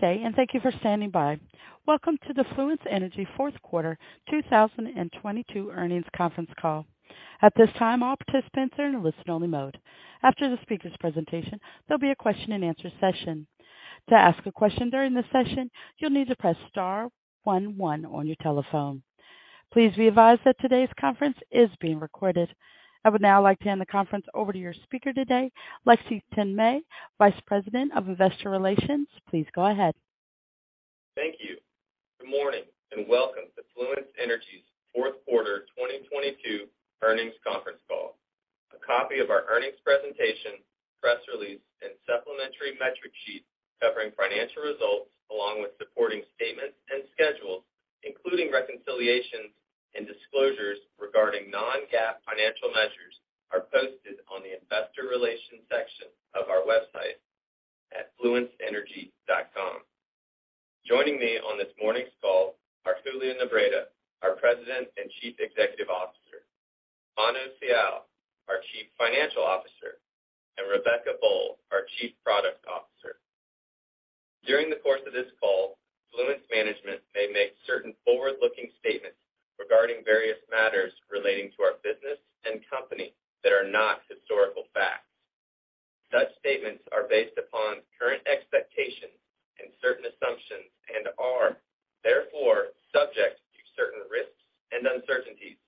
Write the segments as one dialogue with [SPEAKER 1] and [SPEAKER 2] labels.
[SPEAKER 1] Good day, and thank you for standing by. Welcome to the Fluence Energy Fourth Quarter 2022 Earnings Conference Call. At this time, all participants are in a listen only mode. After the speaker's presentation, there'll be a question-and-answer session. To ask a question during this session, you'll need to press star one one on your telephone. Please be advised that today's conference is being recorded. I would now like to hand the conference over to your speaker today, Lexington May, Vice President of Investor Relations. Please go ahead.
[SPEAKER 2] Thank you. Good morning, and welcome to Fluence Energy's fourth quarter 2022 earnings conference call. A copy of our earnings presentation, press release, and supplementary metric sheet covering financial results, along with supporting statements and schedules, including reconciliations and disclosures regarding non-GAAP financial measures, are posted on the investor relations section of our website at fluenceenergy.com. Joining me on this morning's call are Julian Nebreda, our President and Chief Executive Officer, Manu Sial, our Chief Financial Officer, and Rebecca Boll, our Chief Product Officer. During the course of this call, Fluence management may make certain forward-looking statements regarding various matters relating to our business and company that are not historical facts. Such statements are based upon current expectations and certain assumptions and are therefore subject to certain risks and uncertainties.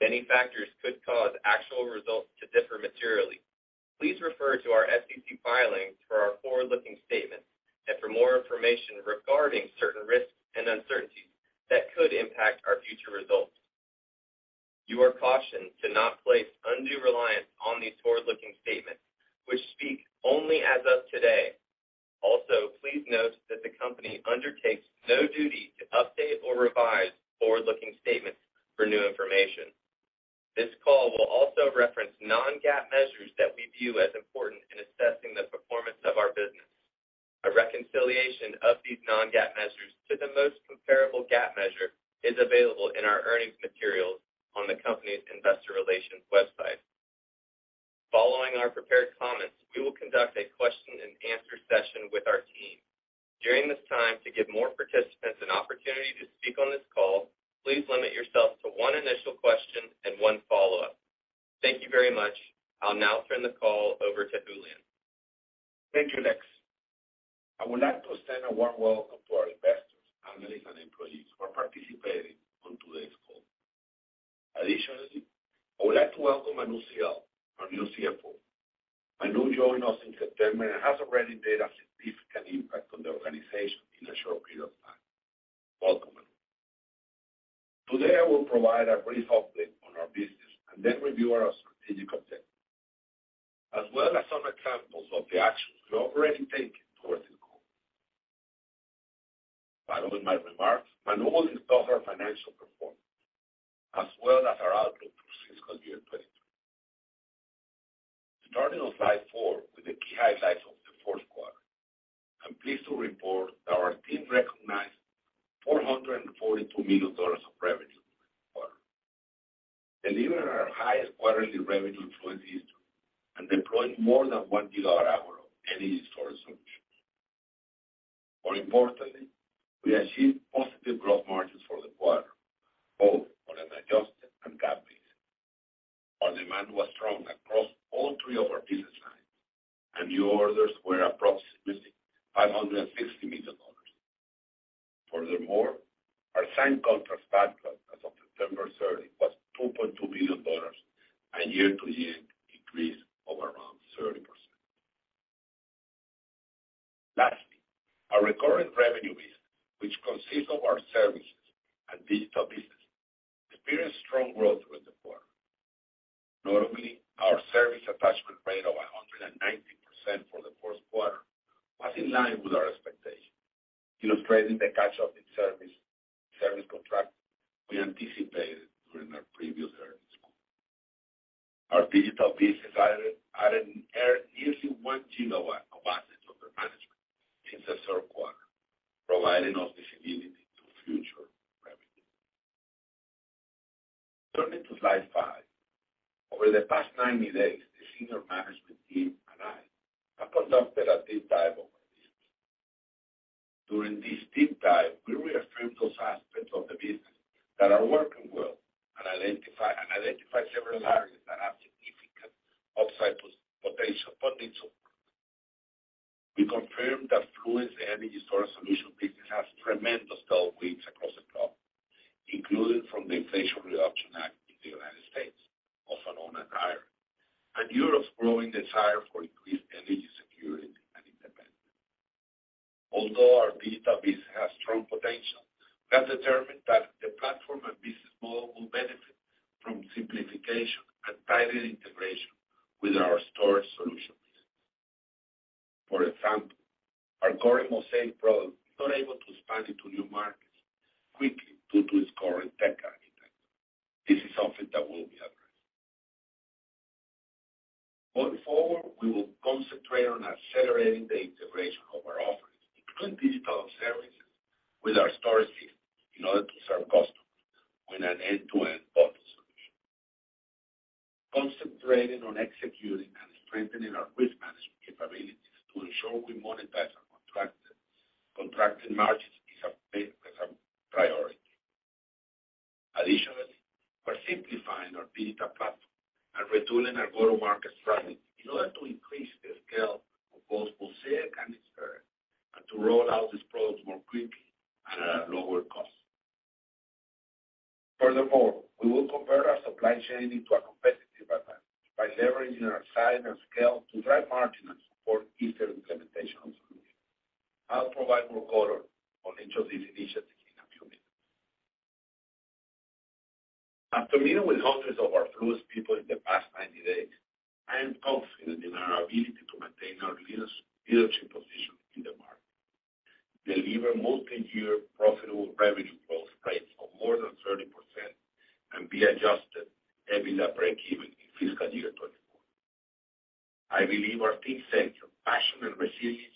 [SPEAKER 2] Many factors could cause actual results to differ materially. Please refer to our SEC filings for our forward-looking statements and for more information regarding certain risks and uncertainties that could impact our future results. You are cautioned to not place undue reliance on these forward-looking statements which speak only as of today. Also, please note that the company undertakes no duty to update or revise forward-looking statements for new information. This call will also reference non-GAAP measures that we view as important in assessing the performance of our business. A reconciliation of these non-GAAP measures to the most comparable GAAP measure is available in our earnings materials on the company's investor relations website. Following our prepared comments, we will conduct a question and answer session with our team. During this time, to give more participants an opportunity to speak on this call, please limit yourself to one initial question and one follow-up. Thank you very much. I'll now turn the call over to Julian.
[SPEAKER 3] Thank you, Lex. I would like to extend a warm welcome to our investors, analysts, and employees who are participating on today's call. Additionally, I would like to welcome Manu Sial, our new CFO. Manu joined us in September and has already made a significant impact on the organization in a short period of time. Welcome. Today, I will provide a brief update on our business and then review our strategic objectives, as well as some examples of the actions we're already taking towards this goal. Following my remarks, Manu will discuss our financial performance as well as our outlook for fiscal year 2023. Starting on Slide 4 with the key highlights of the fourth quarter, I'm pleased to report that our team recognized $442 million of revenue for the quarter, delivering our highest quarterly revenue to date and deploying more than 1 GWh of energy storage solutions. More importantly, we achieved positive growth margins for the quarter, both on an adjusted and GAAP basis. Our demand was strong across all three of our business lines, and new orders were approximately $560 million. Furthermore, our signed contracts backlog as of September 30 was $2.2 billion, a year-to-year increase of around 30%. Lastly, our recurring revenue base, which consists of our services and digital business, experienced strong growth within the quarter. Notably, our service attachment rate of 190% for the fourth quarter was in line with our expectations, illustrating the catch-up in service contract we anticipated during our previous earnings call. Our digital business added nearly 1 GW of assets under management since the third quarter, providing us visibility to future revenue. Turning to Slide 5. Over the past 90 days, the senior management team and I have conducted a deep dive over business. During this deep dive, we reaffirmed those aspects of the business that are working well and identified several areas that have significant upside potential, but need support. We confirmed that Fluence Energy storage solution business has tremendous tailwinds across the globe, including from the Inflation Reduction Act in the United States, also known as IRA, and Europe's growing desire for increased energy security and independence. Although our digital business has strong potential, we have determined that the platform and business model will benefit from simplification and tighter integration with our storage solution business. For example, our current Mosaic product is not able to expand into new markets quickly due to its current tech architecture. This is something that will be addressed. Going forward, we will concentrate on accelerating the integration of our offerings, including digital services with our storage systems in order to serve customers with an end-to-end bundled solution. Concentrating on on executing and strengthening our risk management capabilities to ensure we monetize our contracted margins is a priority. Additionally, we're simplifying our digital platform and retooling our go-to-market strategy in order to increase the scale of both Mosaic and Nispera, and to roll out these products more quickly at a lower cost. We will convert our supply chain into a competitive advantage by leveraging our size and scale to drive margins for easier implementation of solutions. I'll provide more color on each of these initiatives in a few minutes. After meeting with hundreds of our Fluence people in the past 90 days, I am confident in our ability to maintain our leadership position in the market, deliver multi-year profitable revenue growth rates of more than 30%, and be Adjusted EBITDA breakeven in fiscal year 2024. I believe our team's sense of passion and resilience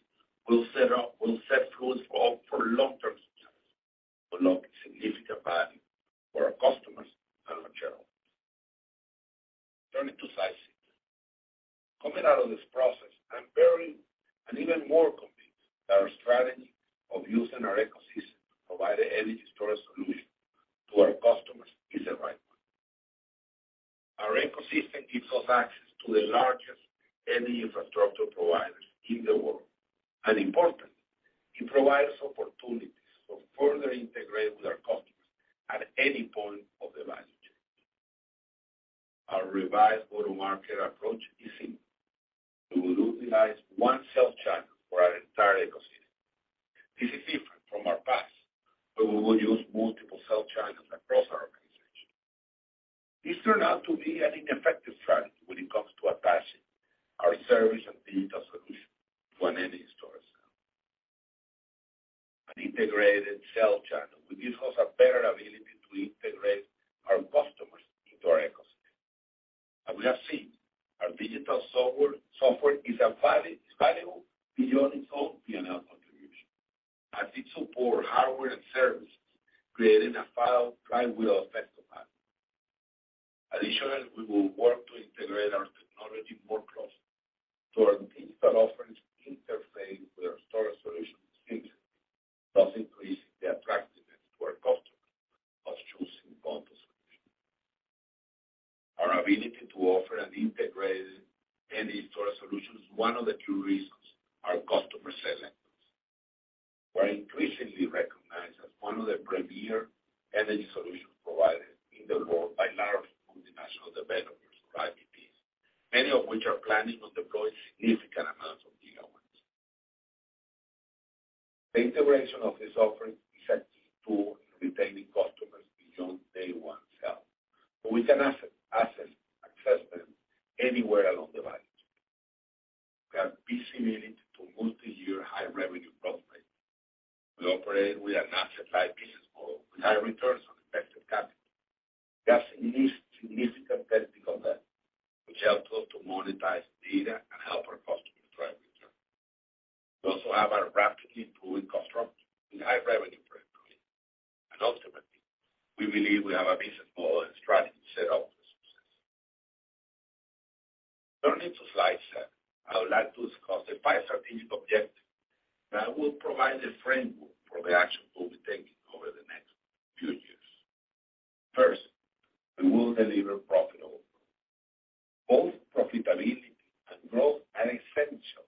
[SPEAKER 3] over. Both profitability and growth are essential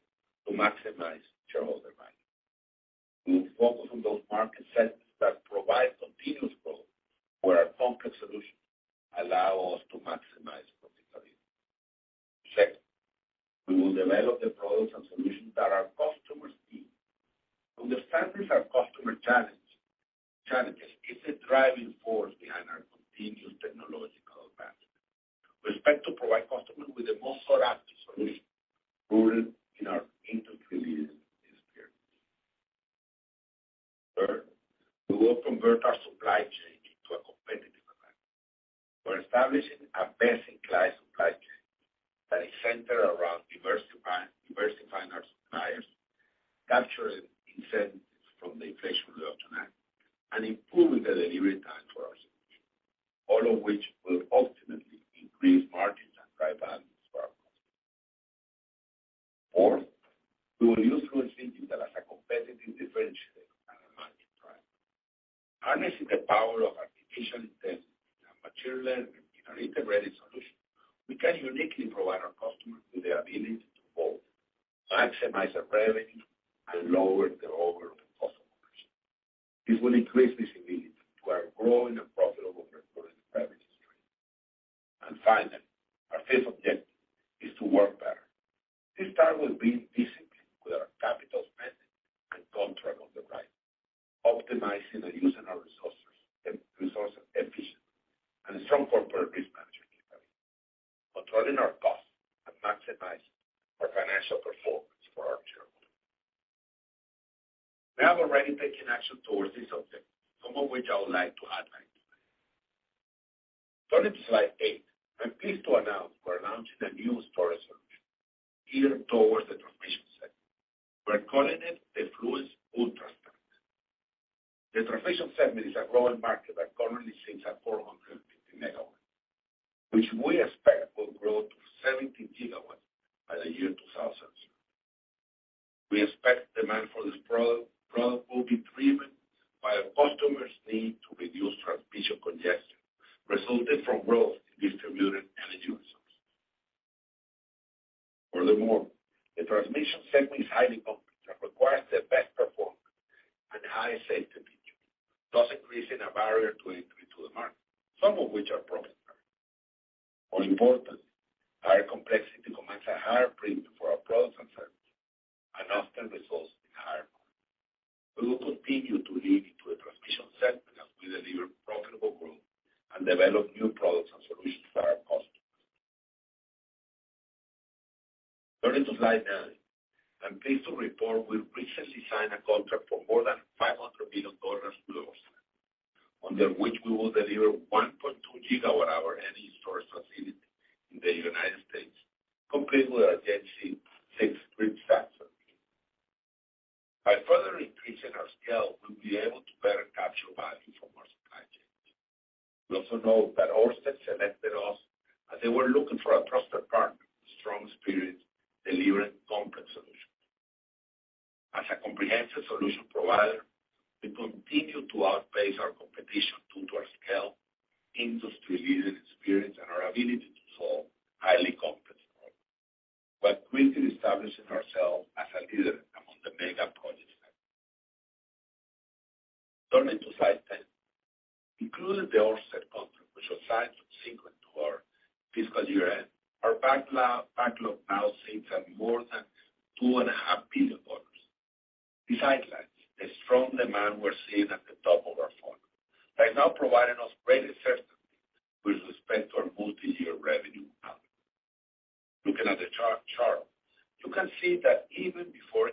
[SPEAKER 3] to maximize shareholder value. We will focus on those market segments that provide continuous growth where our complex solutions allow us to maximize profitability. Second, we will develop the products and solutions that our customers need. Understanding our customer challenges is a driving force behind our continuous technological advancement. We expect to provide customers with the most proactive solution rooted in our industry-leading experience. Third, we will convert our supply chain into a competitive advantage. We're establishing a best-in-class supply chain that is centered around diversifying our suppliers, capturing incentives from the Inflation Reduction Act, and improving the delivery time for our solutions, all of which will ultimately increase margins and drive values for our customers. Fourth, we will use Fluence Digital as a competitive differentiator and a margin driver. Harnessing the power of artificial intelligence and machine learning in our integrated solution, we can uniquely provide our customers with the ability to both maximize their revenue and lower their overall cost of ownership. This will increase visibility to our growing and profitable recurring revenues stream. Finally, our fifth objective is to work better. We start with being disciplined with our capital spending and control of the right, optimizing and using our resources, resource efficiency and strong corporate risk management capability. Controlling our costs and maximize our financial performance for our shareholders. We have already taken action towards this objective, some of which I would like to highlight today. Turning to Slide 8. I'm pleased to announce we're launching a new storage solution geared towards the transmission sector. We're calling it the Fluence Ultrastack. The transmission segment is a global market that currently sits at 450 MW, which we expect will grow to 70 GW by the year 2000s. We expect demand for this product will be driven by a customer's need to reduce transmission congestion resulting from growth in distributed energy sources. Furthermore, the transmission segment is highly complex and requires the best performance and high safety premium, thus increasing a barrier to entry to the market, some of which are promising. More important, higher complexity commands a higher premium for our products and services, and often results in higher quality. We will continue to lead into a transmission segment as we deliver profitable growth and develop new products and solutions for our customers. Turning to Slide 9. I'm pleased to report we've recently signed a contract for more than $500 million with Ørsted, under which we will deliver a 1.2 GWh energy storage facility in the United States, complete with a Gen 6 Gridstack. By further increasing our scale, we'll be able to better capture value from our supply chains. We know that Ørsted selected us as they were looking for a trusted partner with strong experience delivering complex solutions. As a comprehensive solution provider, we continue to outpace our competition due to our scale, industry-leading experience, and our ability to solve highly complex problems, but quickly establishing ourselves as a leader among the mega projects. Turning to Slide 10. Including the Ørsted contract, which was signed subsequent to our fiscal year end. Our backlog now sits at more than $2.5 billion. Besides that, the strong demand we're seeing at the top of our funnel is now providing us greater certainty with respect to our multi-year revenue outlook. Looking at the chart, you can see that even before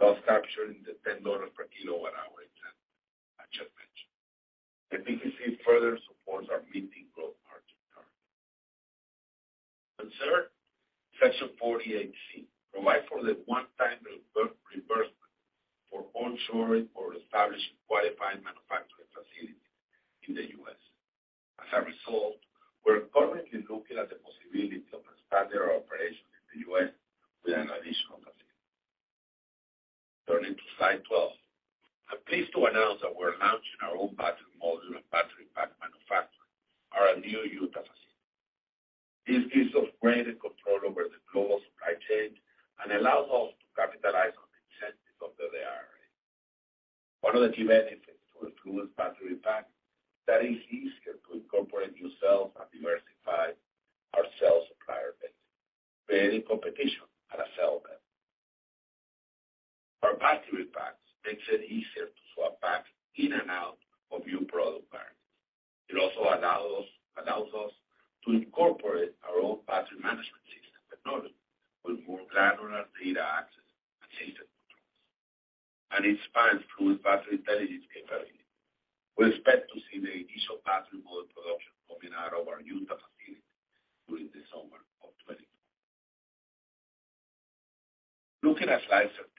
[SPEAKER 3] thus capturing the $10 per kWh incentive I just mentioned. The PTC further supports our meeting growth margin target. Third, Section 48C provide for the one-time reimbursement for onshore or established qualifying manufacturing facilities in the U.S. As a result, we're currently looking at the possibility of expanding our operations in the U.S. with an additional facility. Turning to Slide 12. I'm pleased to announce that we're launching our own battery module and battery pack manufacturing, our new Utah facility. This gives us greater control over the global supply chain and allows us to capitalize on the incentives under the IRA. One of the key benefits to improve battery pack that is easier to incorporate new cells and diversify our cell supplier base, creating competition. Makes it easier to swap packs in and out of new product variants. It also allows us to incorporate our own battery management system technology with more granular data access and system controls. Expands Fluence battery intelligence capability. We expect to see the initial battery module production coming out of our Utah facility during the summer of 2022. Looking at Slide 13.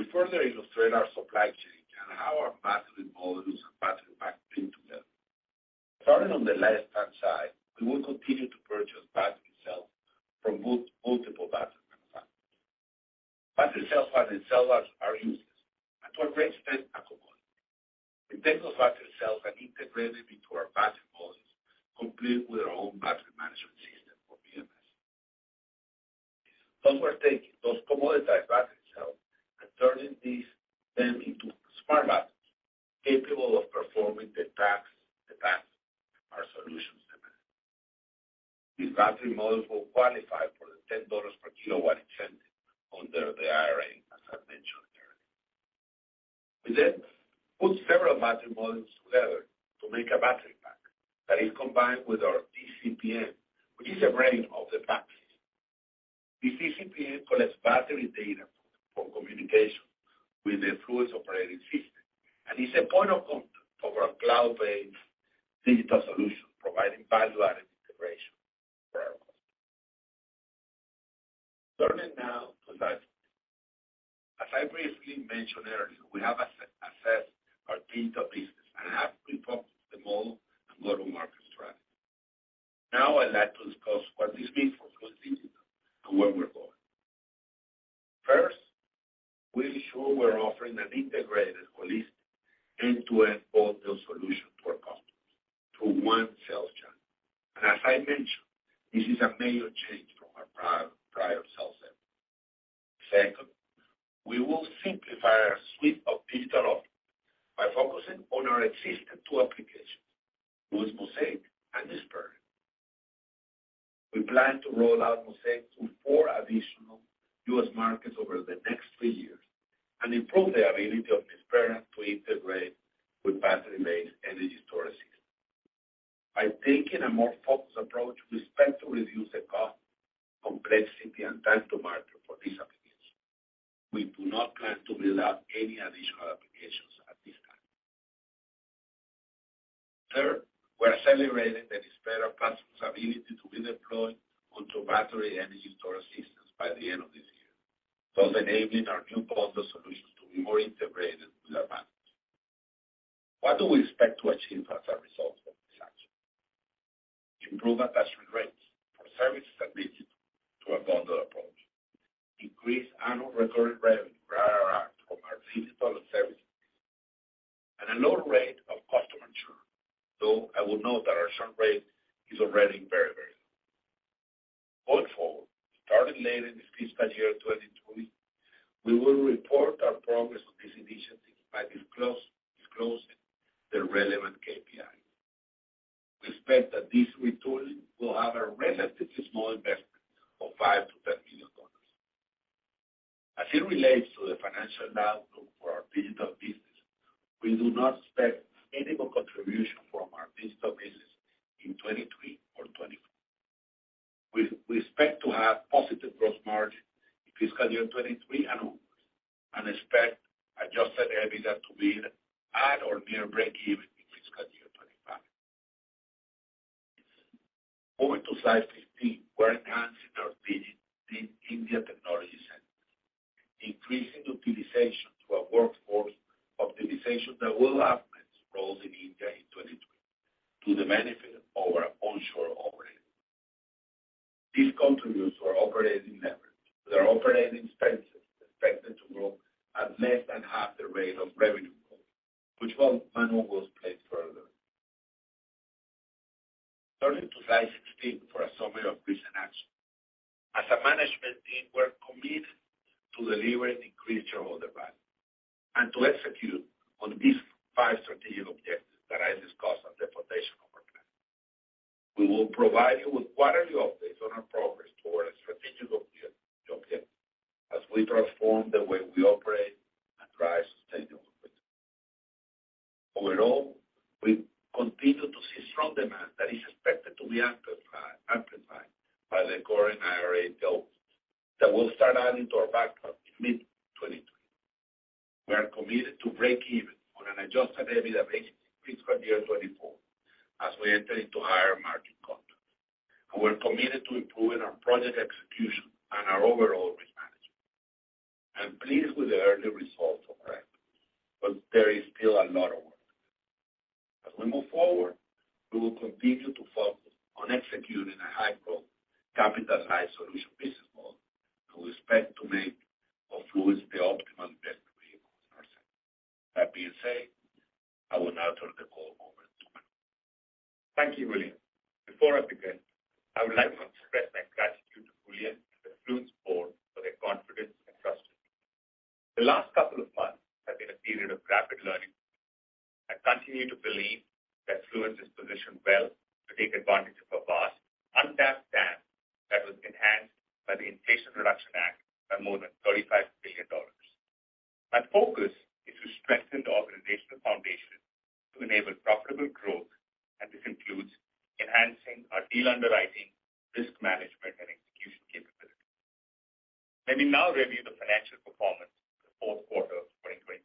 [SPEAKER 3] We further illustrate our supply chain and how our battery modules and battery packs fit together. Starting on the left-hand side, we will continue to purchase battery cells from multiple battery manufacturers. Battery cells are in themselves useless, and to a great extent, a commodity. We take those battery cells and integrate them into our battery modules, complete with our own battery management system or BMS. Thus, we're taking those commoditized battery cells and turning them into smart batteries capable of performing the tasks our solutions demand. These battery modules will qualify for the $10 per kW incentive under the IRA, as I mentioned earlier. We put several battery modules together to make a battery pack that is combined with our DCPM, which is a brain of the pack. The DCPM collects battery data for communication with the Fluence operating system, and is a point of contact for our cloud-based digital solution, providing value-added integration for our customers. As I briefly mentioned earlier, we have assessed our digital business and have refocused the model and go-to-market strategy. I'd like to discuss what this means for Fluence Digital and where we're going. First, we ensure we're offering an integrated holistic end-to-end bundled solution to our customers through one sales channel. As I mentioned, this is a major change from our prior sales effort. Second, we will simplify our suite of digital offerings by focusing on our existing two applications, Fluence Mosaic and Nispera. We plan to roll out Mosaic to four additional U.S. markets over the next three years and improve the ability of Nispera to integrate with battery-based energy storage systems. By taking a more focused approach, we expect to reduce the cost, complexity, and time to market for these applications. We do not plan to build out any additional applications at this time. Third, we're accelerating the Nispera platform's ability to be deployed onto battery energy storage systems by the end of this year, thus enabling our new bundled solutions to be more integrated with our batteries. What do we expect to achieve as a result of this action? Improved attachment rates for services that lead you to a bundled approach. Increased annual recurring revenue, ARR, from our digital services. A lower rate of customer churn. Though I will note that our churn rate is already very, very low. Going forward, starting later in fiscal year 2020, we will report our progress on this initiative by disclosing the relevant KPI. We expect that this retooling will have a relatively small investment of $5 million-$10 million. As it relates to the financial outlook for our digital business, we do not expect any more contribution from our digital business in 2023 or 2024. We expect to have positive gross margin in fiscal year 2023 onwards, and expect Adjusted EBITDA to be at or near breakeven in fiscal year 2025. Moving to Slide 15, we're enhancing our digital India technology centers, increasing utilization to a workforce optimization that will augment roles in India in 2020 to the benefit of our onshore operating. This contributes to our operating leverage, with our operating expenses expected to grow at less than half the rate of revenue growth, which Manu will explain further. Turning to Slide 16 for a summary of recent actions. As a management team, we're committed to delivering increased shareholder value and to execute on these five strategic objectives that I discussed as the foundation of our plan. We will provide you with quarterly updates on our progress toward strategic objectives as we transform the way we operate and drive sustainable growth. Overall, we continue to see strong demand that is expected to be amplified by the current IRA that will start adding to our backlog in mid-2020. We are committed to break even on an Adjusted EBITDA basis in fiscal year 2024 as we enter into higher-margin contracts. We're committed to improving our project execution and our overall risk management. I'm pleased with the early results of our efforts, there is still a lot of work. As we move forward, we will continue to focus on executing a high-growth, capital-light solution business model that we expect to make of Fluence the optimal investment vehicle in our sector. That being said, I will now turn the call over to Manu.
[SPEAKER 4] Thank you, Julian. Before I begin, I would like to express my gratitude to Julian and the Fluence board for their confidence and trust in me. The last couple of months have been a period of rapid learning. I continue to believe that Fluence is positioned well By the Inflation Reduction Act by more than $35 billion. Our focus is to strengthen the organizational foundation to enable profitable growth. This includes enhancing our deal underwriting, risk management, and execution capabilities. Let me now review the financial performance for the fourth quarter of 2022.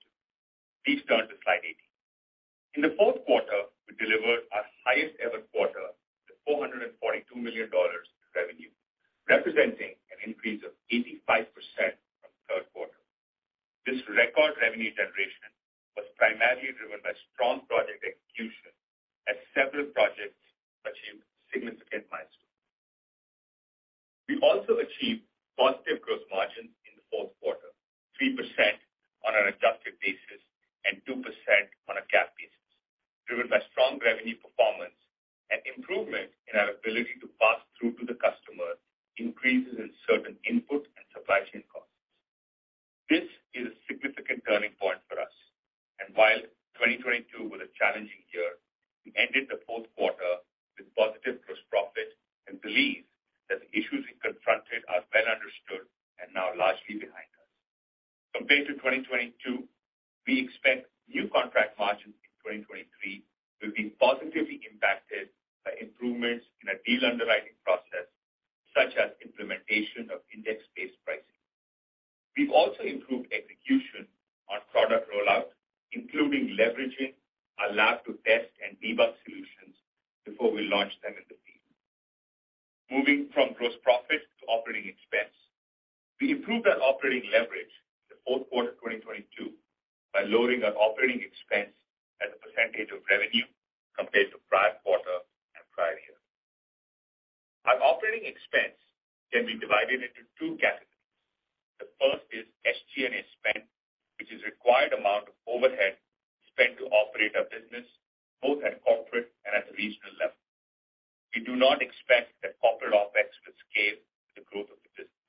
[SPEAKER 4] Please turn to Slide 18. In the fourth quarter, we delivered our highest ever quarter with $442 million in revenue, representing an increase of 85% from the third quarter. This record revenue generation was primarily driven by strong project execution as several projects achieved significant milestones. We also achieved positive gross margins in the fourth quarter, 3% on an adjusted basis and 2% on a GAAP basis, driven by strong revenue performance and improvement in our ability to pass through to the customer increases in certain input and supply chain costs. This is a significant turning point for us, and while 2022 was a challenging year, we ended the fourth quarter with positive gross profit and believe that the issues we confronted are well understood and now largely behind us. Compared to 2022, we expect new contract margins in 2023 will be positively impacted by improvements in our deal underwriting process, such as implementation of index-based pricing. We've also improved execution on product rollout, including leveraging our lab to test and debug solutions before we launch them in the field. Moving from gross profit to operating expense. We improved our operating leverage in the fourth quarter of 2022 by lowering our operating expense as a percentage of revenue compared to prior quarter and prior year. Our operating expense can be divided into two categories. The first is SG&A spend, which is required amount of overhead spend to operate our business both at a corporate and at the regional level. We do not expect that corporate OpEx will scale with the growth of the business.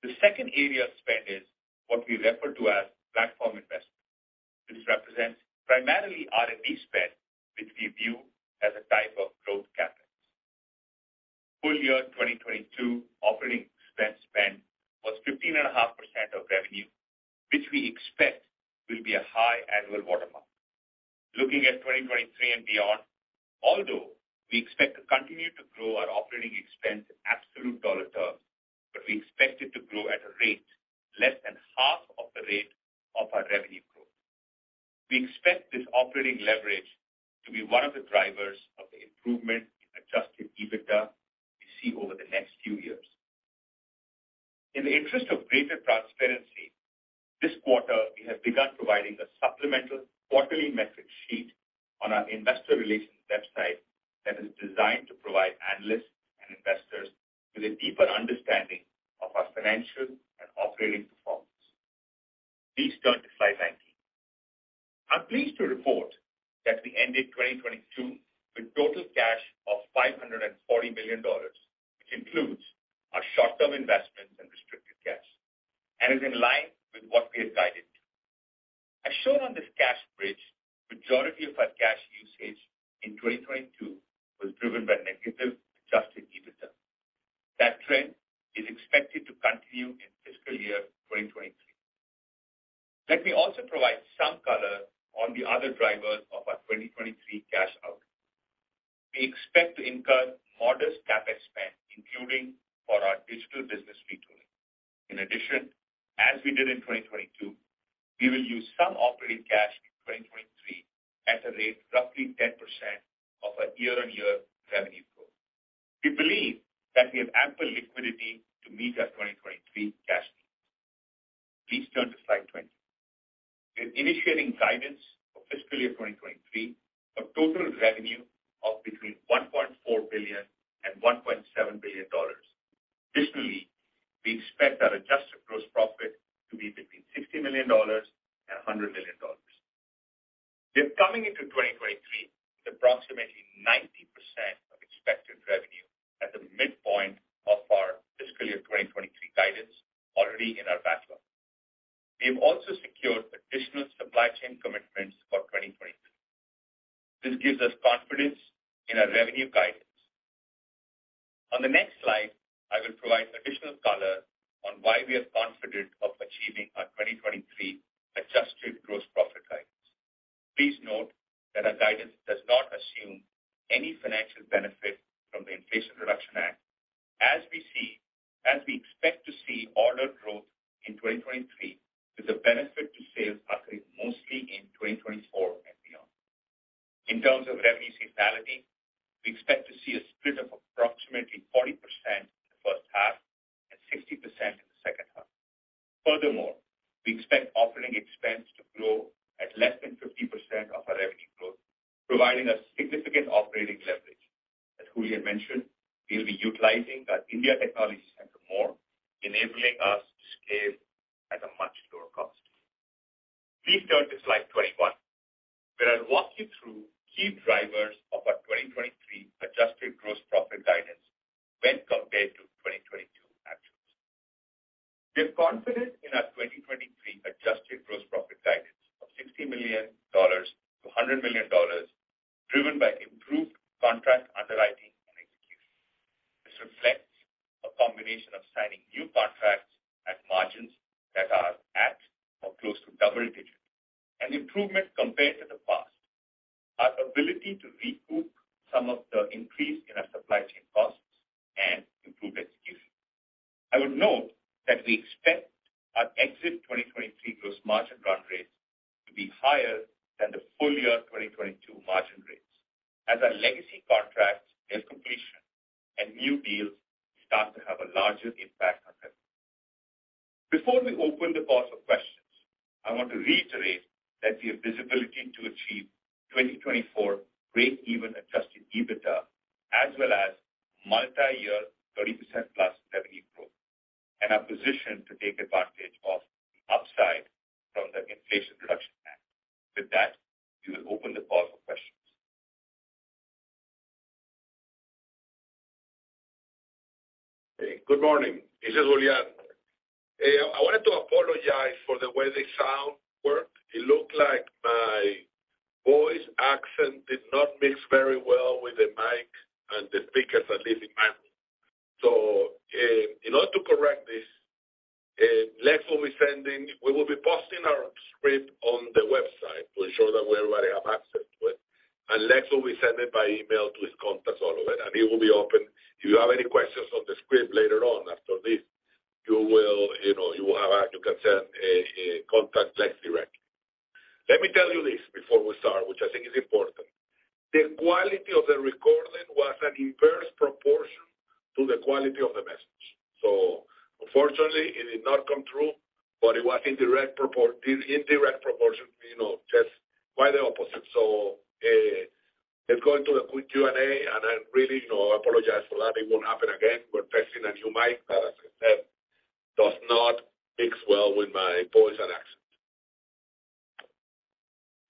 [SPEAKER 4] The second area of spend is what we refer to as platform investment, which represents primarily R&D spend, which we view as a type of growth CapEx. Full year 2022 operating expense spend was 15.5% of revenue, which we expect will be a high annual watermark. Looking at 2023 and beyond, although we expect to continue to grow our operating expense in absolute dollar terms, we expect it to grow at a rate less than half of the rate of our revenue growth. We expect this operating leverage to be one of the drivers of the improvement in Adjusted EBITDA we see over the next few years. In the interest of greater transparency, this quarter we have begun providing a supplemental quarterly metric sheet on our investor relations website that is designed to provide analysts and investors with a deeper understanding of our financial and operating performance. Please turn to Slide 19. I'm pleased to report that we ended 2022 with total cash of $540 million, which includes our short-term investments and restricted cash and is in line with what we have guided to. As shown on this cash bridge, majority of our cash usage in 2022 was driven by negative Adjusted EBITDA. That trend is expected to continue in fiscal year 2023. Let me also provide some color on the other drivers of our 2023 cash-out. We expect to incur modest CapEx spend, including for our digital business retooling. As we did in 2022, we will use some operating cash in 2023 at a rate roughly 10% of our year-over-year revenue growth. We believe that we have ample liquidity to meet our 2023 cash needs. Please turn to slide 20. We're initiating guidance for fiscal year 2023 of total revenue of between $1.4 billion and $1.7 billion. We expect our Adjusted gross profit to be between $60 million and $100 million. We're coming into 2023 with approximately 90% of expected revenue at the midpoint of our fiscal year 2023 guidance already in our backlog. We have also secured additional supply chain commitments for 2023. This gives us confidence in our revenue guidance. On the next slide, I will provide additional color on why we are confident of achieving our 2023 adjusted gross profit guidance. Please note that our guidance does not assume any financial benefit from the Inflation Reduction Act as we expect to see order growth in 2023 with the benefit to sales occurring mostly in 2024 and beyond. In terms of revenue seasonality, we expect to see a split of approximately 40% in the first half and 60% in the second half. We expect operating expense to grow at less than 50% of our revenue growth, providing us significant operating leverage. As Julian mentioned, we'll be utilizing our India technology center more, enabling us to scale at a much lower cost. Please turn to Slide 21 where I'll walk you through key drivers of our 2023 adjusted gross profit guidance when compared to 2022 actuals. We're confident in our 2023 adjusted gross profit $60 million-$100 million driven by improved contract underwriting and execution. This reflects a combination of signing new contracts at margins that are at or close to double-digit, an improvement compared to the past. Our ability to recoup some of the increase in our supply chain costs and improve execution. I would note that we expect our exit 2023 gross margin run rates to be higher than the full year 2022 margin rates as our legacy contracts near completion and new deals start to have a larger impact on them. Before we open the floor for questions, I want to reiterate that we have visibility to achieve 2024 break-even Adjusted EBITDA as well as multi-year 30%+ revenue growth and are positioned to take advantage of the upside from the Inflation Reduction Act. With that, we will open the floor for questions.
[SPEAKER 3] Hey, good morning. This is Julian. I wanted to apologize for the way the sound worked. It looked like my voice accent did not mix very well with the mic and the speakers, at least in my room. In order to correct this, Lex will be posting our script on the website to ensure that we already have access to it. Lex will be sending it by email to his contacts all over, and it will be open. If you have any questions on the script later on after this, you will, you know, you will have to contact Lex direct. Let me tell you this before we start, which I think is important. The quality of the recording was an inverse proportion to the quality of the message. Unfortunately, it did not come through, but it was in direct proportion, you know, just quite the opposite. Let's go into the Q&A, and I really, you know, apologize for that. It won't happen again. We're testing a new mic that does not mix well with my voice and accent.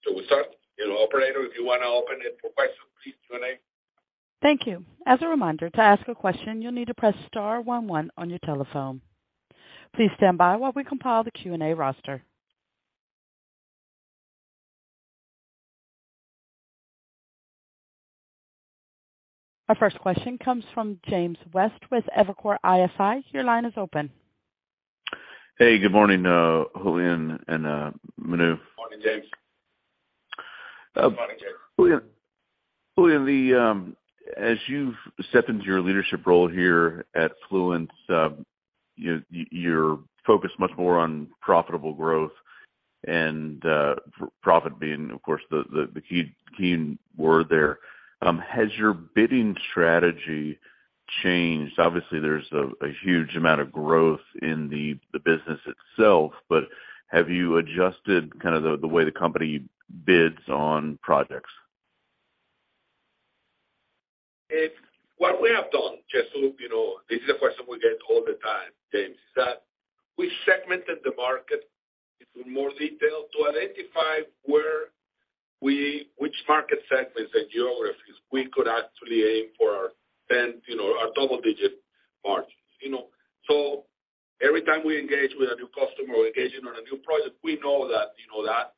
[SPEAKER 3] Shall we start? Operator, if you want to open it for questions, please, Q&A.
[SPEAKER 1] Thank you. As a reminder, to ask a question, you'll need to press star one one on your telephone. Please stand by while we compile the Q&A roster. Our first question comes from James West with Evercore ISI. Your line is open.
[SPEAKER 5] Hey, good morning, Julian and Manu.
[SPEAKER 3] Morning, James.
[SPEAKER 4] Morning, James.
[SPEAKER 5] Julian, the, as you've stepped into your leadership role here at Fluence, you know, you're focused much more on profitable growth and profit being, of course, the key word there. Has your bidding strategy changed? Obviously, there's a huge amount of growth in the business itself, but have you adjusted kind of the way the company bids on projects?
[SPEAKER 3] What we have done, just to let you know, this is a question we get all the time, James, is that we segmented the market into more detail to identify where which market segments and geographies we could actually aim for our 10, you know, our double-digit margins, you know. Every time we engage with a new customer or engaging on a new project, we know that, you know, that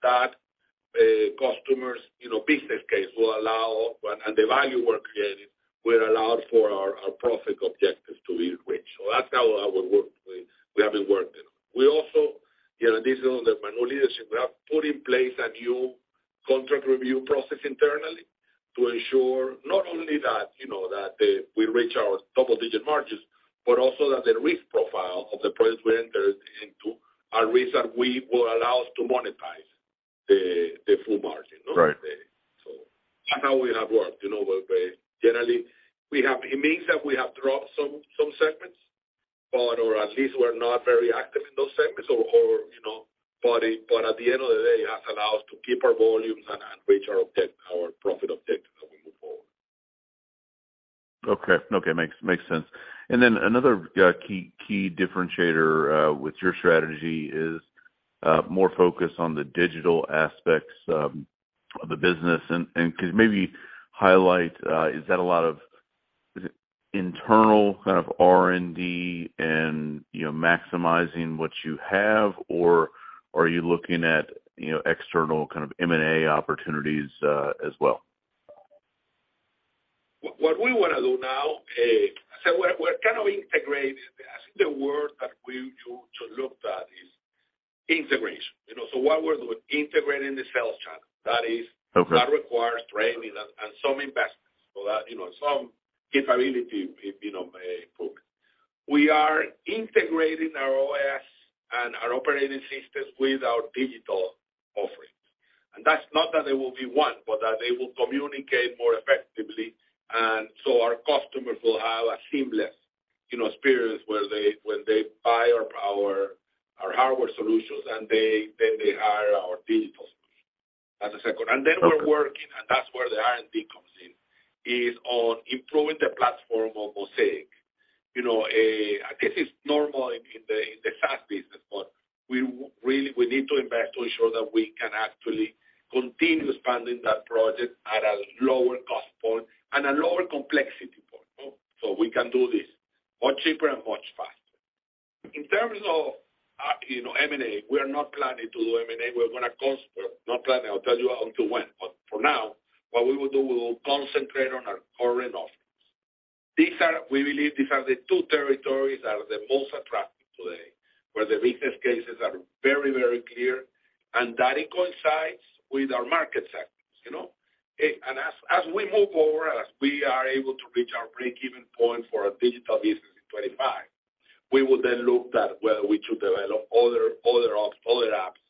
[SPEAKER 3] customer's, you know, business case will allow and the value we're creating will allow for our profit objectives to be reached. That's how our work we have been working. We also, you know, additional the Manu leadership, we have put in place a new contract review process internally to ensure not only that, you know, that, we reach our double-digit margins, but also that the risk profile of the projects we entered into are risks that we will allow us to monetize the full margin, no?
[SPEAKER 5] Right.
[SPEAKER 3] That's how we have worked. You know, we're generally, we have dropped some segments, but or at least we're not very active in those segments or, you know. At the end of the day, has allowed us to keep our volumes and reach our profit objective as we move forward.
[SPEAKER 5] Okay. Okay. Makes sense. Another key differentiator with your strategy is more focus on the digital aspects of the business. Could you maybe highlight, is that a lot of internal kind of R&D and, you know, maximizing what you have? Or are you looking at, you know, external kind of M&A opportunities as well?
[SPEAKER 3] What we wanna do now. We're kind of integrating. I think the word that we used to look at is integration. You know, what we're doing, integrating the sales channel.
[SPEAKER 5] Okay.
[SPEAKER 3] That requires training and some investments. That, you know, some capability, if you know, put. We are integrating our OS and our operating systems with our digital offerings. That's not that they will be one, but that they will communicate more effectively, our customers will have a seamless, you know, experience where when they buy our power, our hardware solutions, and they, then they hire our digitals as a second.
[SPEAKER 5] Okay.
[SPEAKER 3] We're working, and that's where the R&D comes in, is on improving the platform of Mosaic. You know, I guess it's normal in the fast business, but we really need to invest to ensure that we can actually continue expanding that project at a lower cost point and a lower complexity point. We can do this much cheaper and much faster. In terms of, you know, M&A, we are not planning to do M&A. We're not planning. I'll tell you until when. For now, what we will do, we will concentrate on our current offerings. We believe these are the two territories that are the most attractive today, where the business cases are very, very clear, and that coincides with our market sectors, you know. As we move forward, as we are able to reach our break-even point for our Digital Business in 2025, we will then look at whether we should develop other apps.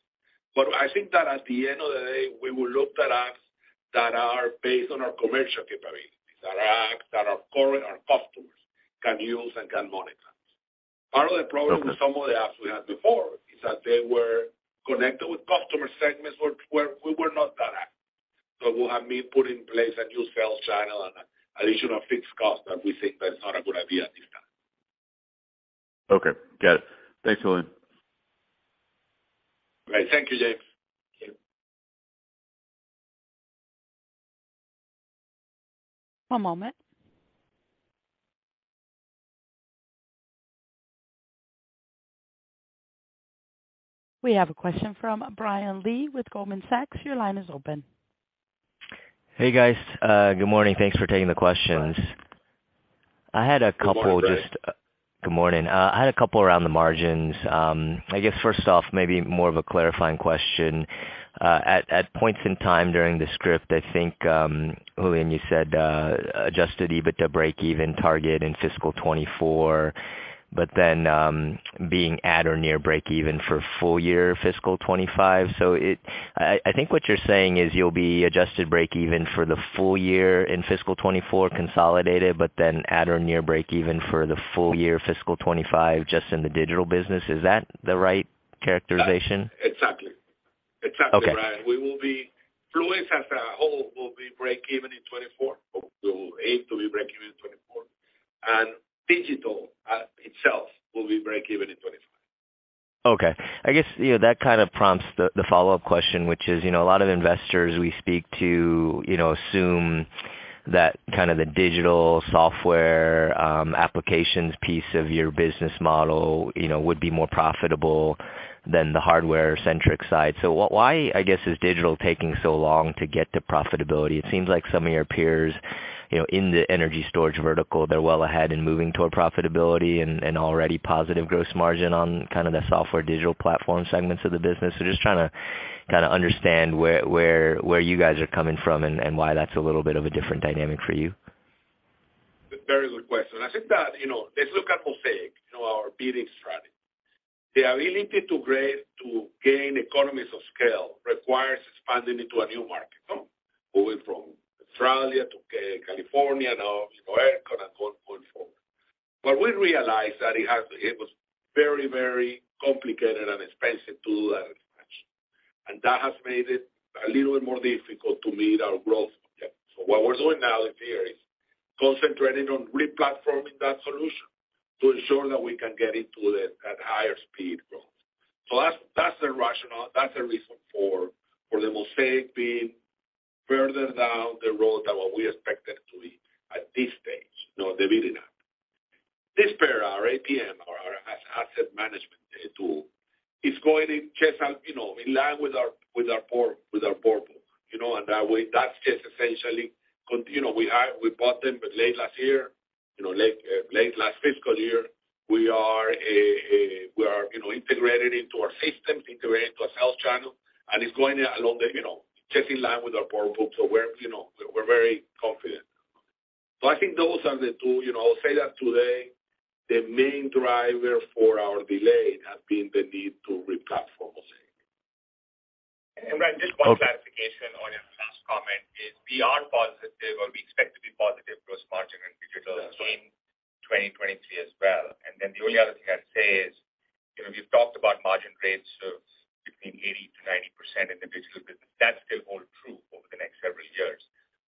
[SPEAKER 3] I think that at the end of the day, we will look at apps that are based on our commercial capabilities, that are apps that our current, our customers can use and can monetize. Part of the problem with some of the apps we had before is that they were connected with customer segments where we were not that active. it would have mean put in place a new sales channel and additional fixed cost that we think that's not a good idea at this time.
[SPEAKER 5] Okay. Got it. Thanks, Julian.
[SPEAKER 3] Great. Thank you, James.
[SPEAKER 4] Thank you.
[SPEAKER 1] One moment. We have a question from Brian Lee with Goldman Sachs. Your line is open.
[SPEAKER 6] Hey, guys. good morning. Thanks for taking the questions.
[SPEAKER 3] Good morning.
[SPEAKER 6] I had a couple just-.
[SPEAKER 3] Good morning, Brian.
[SPEAKER 6] Good morning. I had a couple around the margins. I guess first off, maybe more of a clarifying question. At points in time during the script, I think Julian, you said Adjusted EBITDA breakeven target in fiscal 2024, but then being at or near breakeven for full year fiscal 2025. I think what you're saying is you'll be adjusted breakeven for the full year in fiscal 2024 consolidated, but then at or near breakeven for the full year fiscal 2025 just in the digital business. Is that the right characterization?
[SPEAKER 3] Exactly. Exactly, Brian.
[SPEAKER 6] Okay.
[SPEAKER 3] Fluence as a whole will be breakeven in 2024. We will aim to be breakeven in 2024. Digital itself will be breakeven in 2025.
[SPEAKER 6] Okay. I guess, you know, that kind of prompts the follow-up question, which is, you know, a lot of investors we speak to, you know, assume that kind of the digital software applications piece of your business model, you know, would be more profitable than the hardware-centric side. Why, I guess, is digital taking so long to get to profitability? It seems like some of your peers, you know, in the energy storage vertical, they're well ahead in moving toward profitability and already positive gross margin on kind of the software digital platform segments of the business. Just trying to kinda understand where you guys are coming from and why that's a little bit of a different dynamic for you.
[SPEAKER 3] Very good question. I think that, you know, let's look at Mosaic, you know, our bidding strategy. The ability to gain economies of scale requires expanding into a new market, no? Moving from Australia to California, now, you know, ERCOT and so on and so forth. We realized that it was very, very complicated and expensive to do that expansion. That has made it a little bit more difficult to meet our growth objectives. What we're doing now in theory is concentrating on re-platforming that solution to ensure that we can get into that higher speed growth. That's, that's the rationale, that's the reason for the Mosaic being further down the road than what we expected to be at this stage. No, the bidding app. This pair, our APM, our asset management tool is going in just, you know, in line with our, with our port, with our portal, you know. That way, that's just essentially you know, we bought them but late last year, you know, late last fiscal year. We are, you know, integrated into our systems, integrated into our sales channel, and it's going along the, you know, just in line with our portal. We're, you know, we're very confident. I think those are the two, you know. I'll say that today, the main driver for our delay has been the need to replatform Mosaic.
[SPEAKER 4] Brian, just one clarification on your first comment is we are positive, or we expect to be positive gross margin in digital-
[SPEAKER 3] That's right.
[SPEAKER 4] In 2023 as well. The only other thing I'd say is, you know, we've talked about margin rates of between 80%-90% in the digital business. That still hold true over the next several years.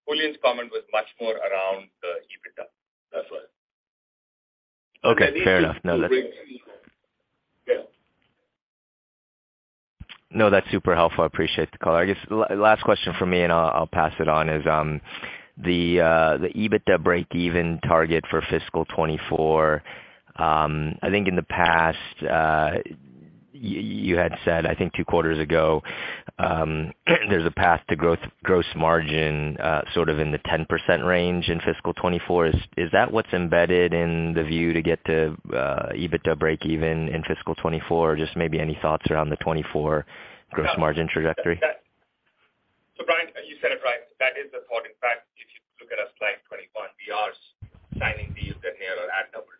[SPEAKER 4] Julian's comment was much more around the EBITDA. That's all.
[SPEAKER 6] Okay. Fair enough. No.
[SPEAKER 4] Yeah.
[SPEAKER 6] No, that's super helpful. I appreciate the color. I guess last question from me, and I'll pass it on, is the EBITDA breakeven target for fiscal 2024. I think in the past, you had said, I think two quarters ago, there's a path to gross margin, sort of in the 10% range in fiscal 2024. Is that what's embedded in the view to get to EBITDA breakeven in fiscal 2024? Just maybe any thoughts around the 2024 gross margin trajectory?
[SPEAKER 4] Brian, you said it right. That is the thought. In fact, if you look at us playing 21, we are signing deals that are at double-digit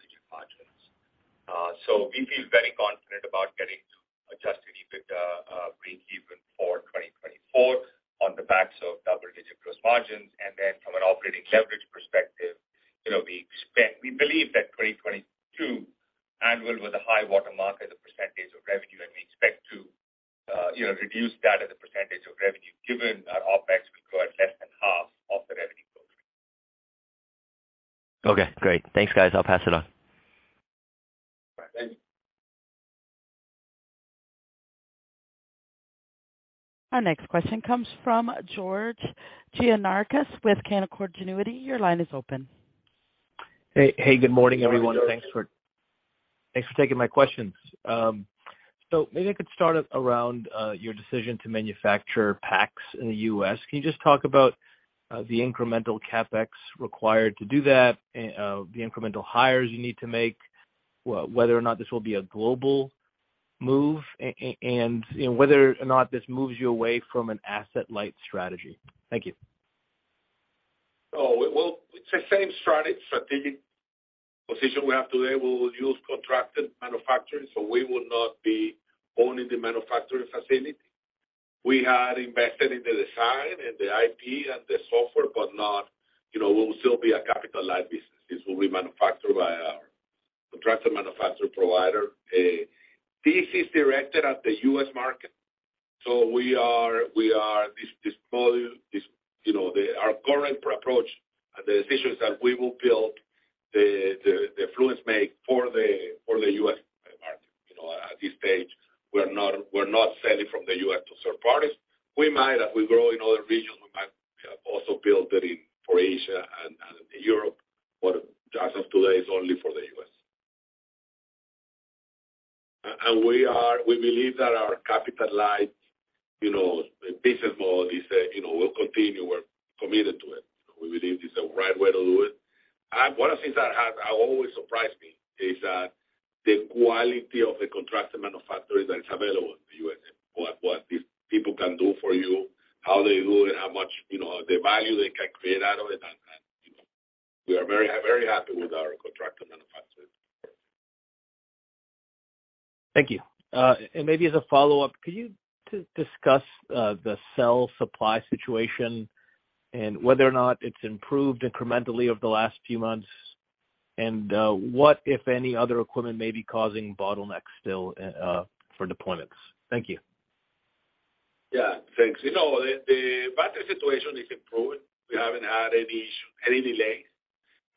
[SPEAKER 4] margins. We feel very confident about getting to Adjusted EBITDA breakeven for 2024 on the backs of double-digit gross margins. From an operating leverage perspective, you know, we believe that 2022 annual was a high water mark as a percentage of revenue, and we expect to, you know, reduce that as a percentage of revenue given our OpEx will grow at less than half of the revenue growth.
[SPEAKER 6] Okay, great. Thanks, guys. I'll pass it on.
[SPEAKER 4] All right. Thank you.
[SPEAKER 1] Our next question comes from George Gianarikas with Canaccord Genuity. Your line is open.
[SPEAKER 7] Hey, good morning, everyone. Thanks for taking my questions. Maybe I could start around your decision to manufacture packs in the U.S. Can you just talk about the incremental CapEx required to do that? The incremental hires you need to make, whether or not this will be a global move and whether or not this moves you away from an asset light strategy? Thank you.
[SPEAKER 3] It's the same strategic position we have today. We will use contracted manufacturing, we will not be owning the manufacturing facility. We had invested in the design and the IP and the software, but, you know, we will still be a capital light business. This will be manufactured by our contractor manufacturer provider. This is directed at the U.S. market. We are this model, this, you know, our current approach, the decision is that we will build the Fluence make for the U.S. market. You know, at this stage, we're not selling from the U.S. to third parties. We might, as we grow in other regions, we might also build it for Asia and Europe. As of today, it's only for the U.S. We believe that our capital light, you know, business model is, you know, will continue. We're committed to it. We believe it's the right way to do it. One of the things that has always surprised me is that the quality of the contracted manufacturers that is available in the U.S. What these people can do for you, how they do it, how much, you know, the value they can create out of it. You know, we are very, very happy with our contractor manufacturers.
[SPEAKER 7] Thank you. Maybe as a follow-up, could you discuss the cell supply situation and whether or not it's improved incrementally over the last few months? What, if any, other equipment may be causing bottlenecks still for deployments? Thank you.
[SPEAKER 3] Yeah, thanks. You know, the battery situation is improving. We haven't had any issue, any delays.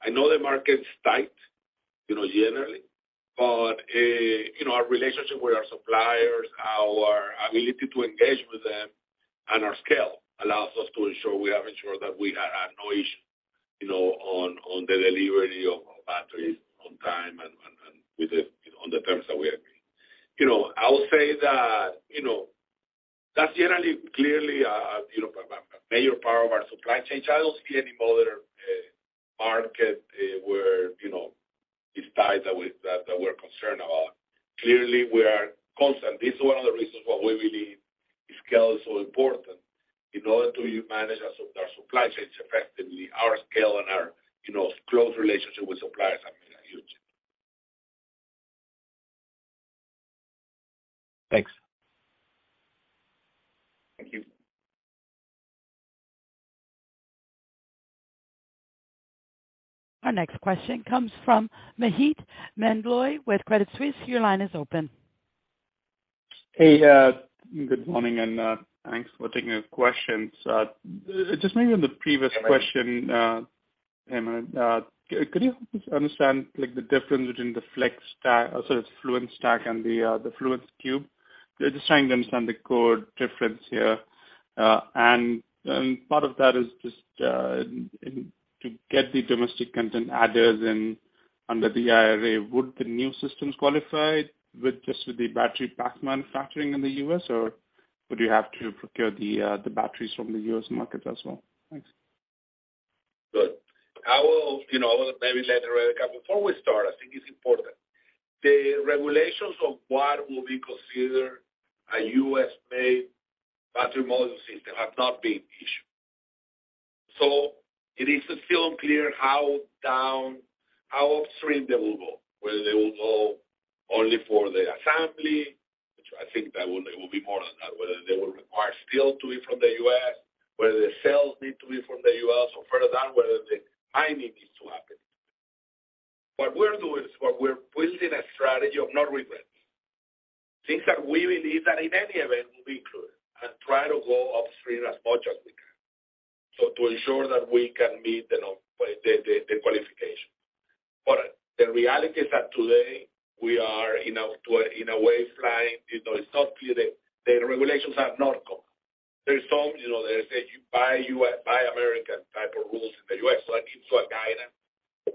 [SPEAKER 3] I know the market's tight, you know, generally, but, you know, our relationship with our suppliers, our ability to engage with them, and our scale allows us to ensure we have ensured that we have no issue, you know, on the delivery of batteries on time and with the, you know, on the terms that we agree. You know, I will say that, you know, that's generally clearly, you know, a major part of our supply chain. I don't see any other market where, you know, is tied that we're concerned about. Clearly, we are constant. This is one of the reasons why we believe scale is so important in order to manage our supply chains effectively. Our scale and our, you know, close relationship with suppliers have been huge.
[SPEAKER 7] Thanks.
[SPEAKER 3] Thank you.
[SPEAKER 1] Our next question comes from Maheep Mandloi with Credit Suisse. Your line is open.
[SPEAKER 8] Hey, good morning, and thanks for taking the questions. Just maybe on the previous question, Eman, could you help me understand, like, the difference between the FluenceStack and the Fluence Cube? Just trying to understand the core difference here. And part of that is just to get the domestic content added in under the IRA, would the new systems qualify with just the battery pack manufacturing in the U.S., or would you have to procure the batteries from the U.S. market as well? Thanks.
[SPEAKER 3] Good. I will, you know, maybe let Rebecca. Before we start, I think it's important. The regulations of what will be considered a U.S.-made battery module system have not been issued. It is still unclear how down, how upstream they will go, whether they will go only for the assembly, which I think that will be more on that, whether they will require steel to be from the U.S., whether the cells need to be from the U.S., or further down, whether the mining needs to happen. What we're doing is we're building a strategy of no regrets. Things that we believe that in any event will be included, and try to go upstream as much as we can. To ensure that we can meet the qualification. The reality is that today we are in a, in a way flying. You know, it's not clear. The regulations have not come. There's some, you know, they say buy U.S., buy American type of rules in the U.S. I need some guidance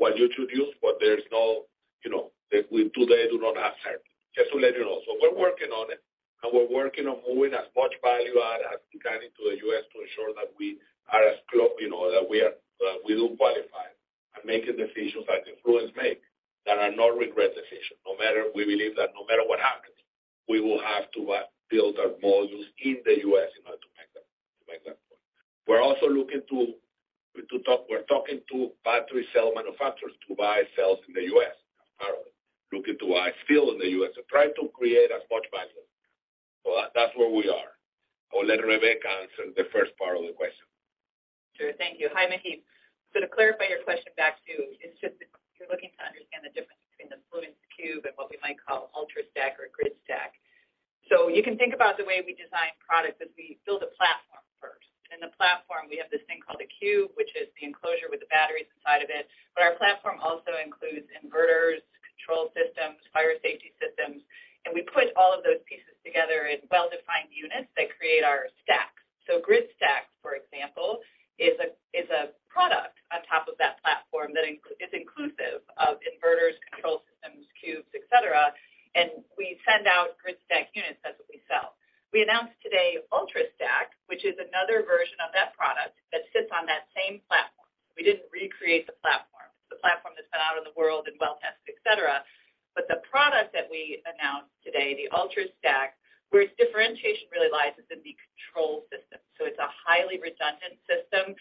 [SPEAKER 3] what you should use. There is no, you know, we today do not have certain. Just to let you know. We're working on it, and we're working on moving as much value out as we can into the U.S. to ensure that we are as close, you know, that we do qualify. And making decisions at the Fluence that are no regret decisions. We believe that no matter what happens, we will have to build our modules in the U.S. in order to make that, to make that point. We're also looking to talk to battery cell manufacturers to buy cells in the U.S., apparently. Looking to buy steel in the U.S. and try to create as much value. That's where we are. I will let Rebecca answer the first part of the question.
[SPEAKER 9] Sure. Thank you. Hi, Maheep. To clarify your question back to you, it's just that you're looking to understand the difference between the Fluence Cube and what we might call Ultrastack or Gridstack. You can think about the way we design products as we build a platform. The platform, we have this thing called the Fluence Cube, which is the enclosure with the batteries inside of it. Our platform also includes inverters, control systems, fire safety systems, and we put all of those pieces together in well-defined units that create our stacks. Gridstack, for example, is a product on top of that platform that is inclusive of inverters, control systems, Fluence Cubes, etc, and we send out Gridstack units. That's what we sell. We announced today Ultrastack, which is another version of that product that sits on that same platform. We didn't recreate the platform. The platform has been out in the world and well-tested, etc. The product that we announced today, the Ultrastack, where its differentiation really lies is in the control system. It's a highly redundant system,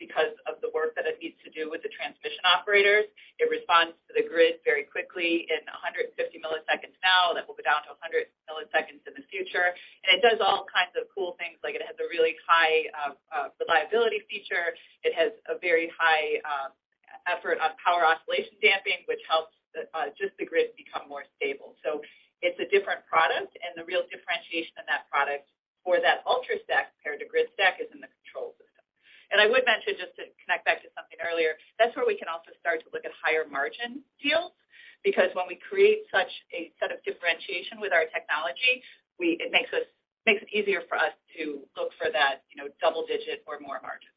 [SPEAKER 9] because of the work that it needs to do with the transmission operators. It responds to the grid very quickly in 150 milliseconds now, that will be down to 100 milliseconds in the future. It does all kinds of cool things, like it has a really high, reliability feature. It has a very high, effort on power oscillation damping, which helps the just the grid become more stable. It's a different product, and the real differentiation in that product for that Ultrastack compared to Gridstack is in the control system. I would mention, just to connect back to something earlier, that's where we can also start to look at higher margin deals. When we create such a set of differentiation with our technology, it makes it easier for us to look for that, you know, double-digit or more margin.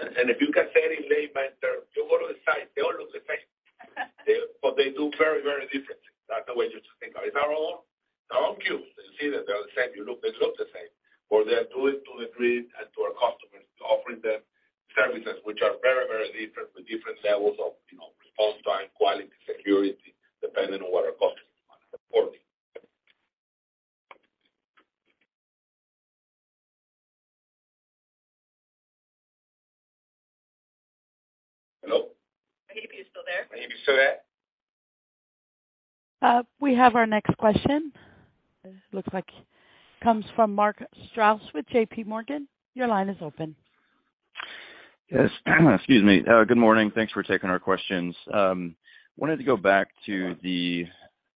[SPEAKER 3] If you can say it in layman's term, if you go to the site, they all look the same. They do very, very different things. That's the way you should think of it. They're all cubes. You see that they're the same, they look the same. They're doing to the grid and to our customers, offering them services which are very, very different with different levels of, you know, response time, quality, security, depending on what our customers are reporting. Hello?
[SPEAKER 9] Maybe you're still there.
[SPEAKER 3] Maybe still there.
[SPEAKER 1] We have our next question. It looks like comes from Mark Strouse with J.P. Morgan. Your line is open.
[SPEAKER 10] Yes. Excuse me. Good morning. Thanks for taking our questions. Wanted to go back to the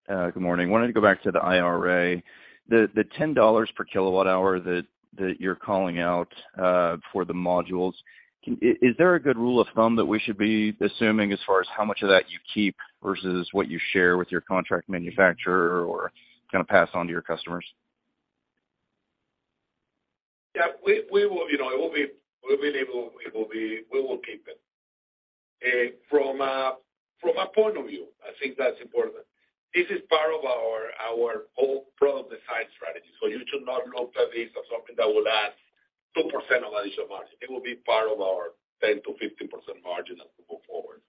[SPEAKER 10] IRA. The $10 per kilowatt-hour that you're calling out for the modules, is there a good rule of thumb that we should be assuming as far as how much of that you keep versus what you share with your contract manufacturer or kinda pass on to your customers?
[SPEAKER 3] Yeah. We will, you know, we will keep it. From a point of view, I think that's important. This is part of our whole product design strategy. You should not look at this as something that will add 2% of additional margin. It will be part of our 10%-15% margin as we go forward.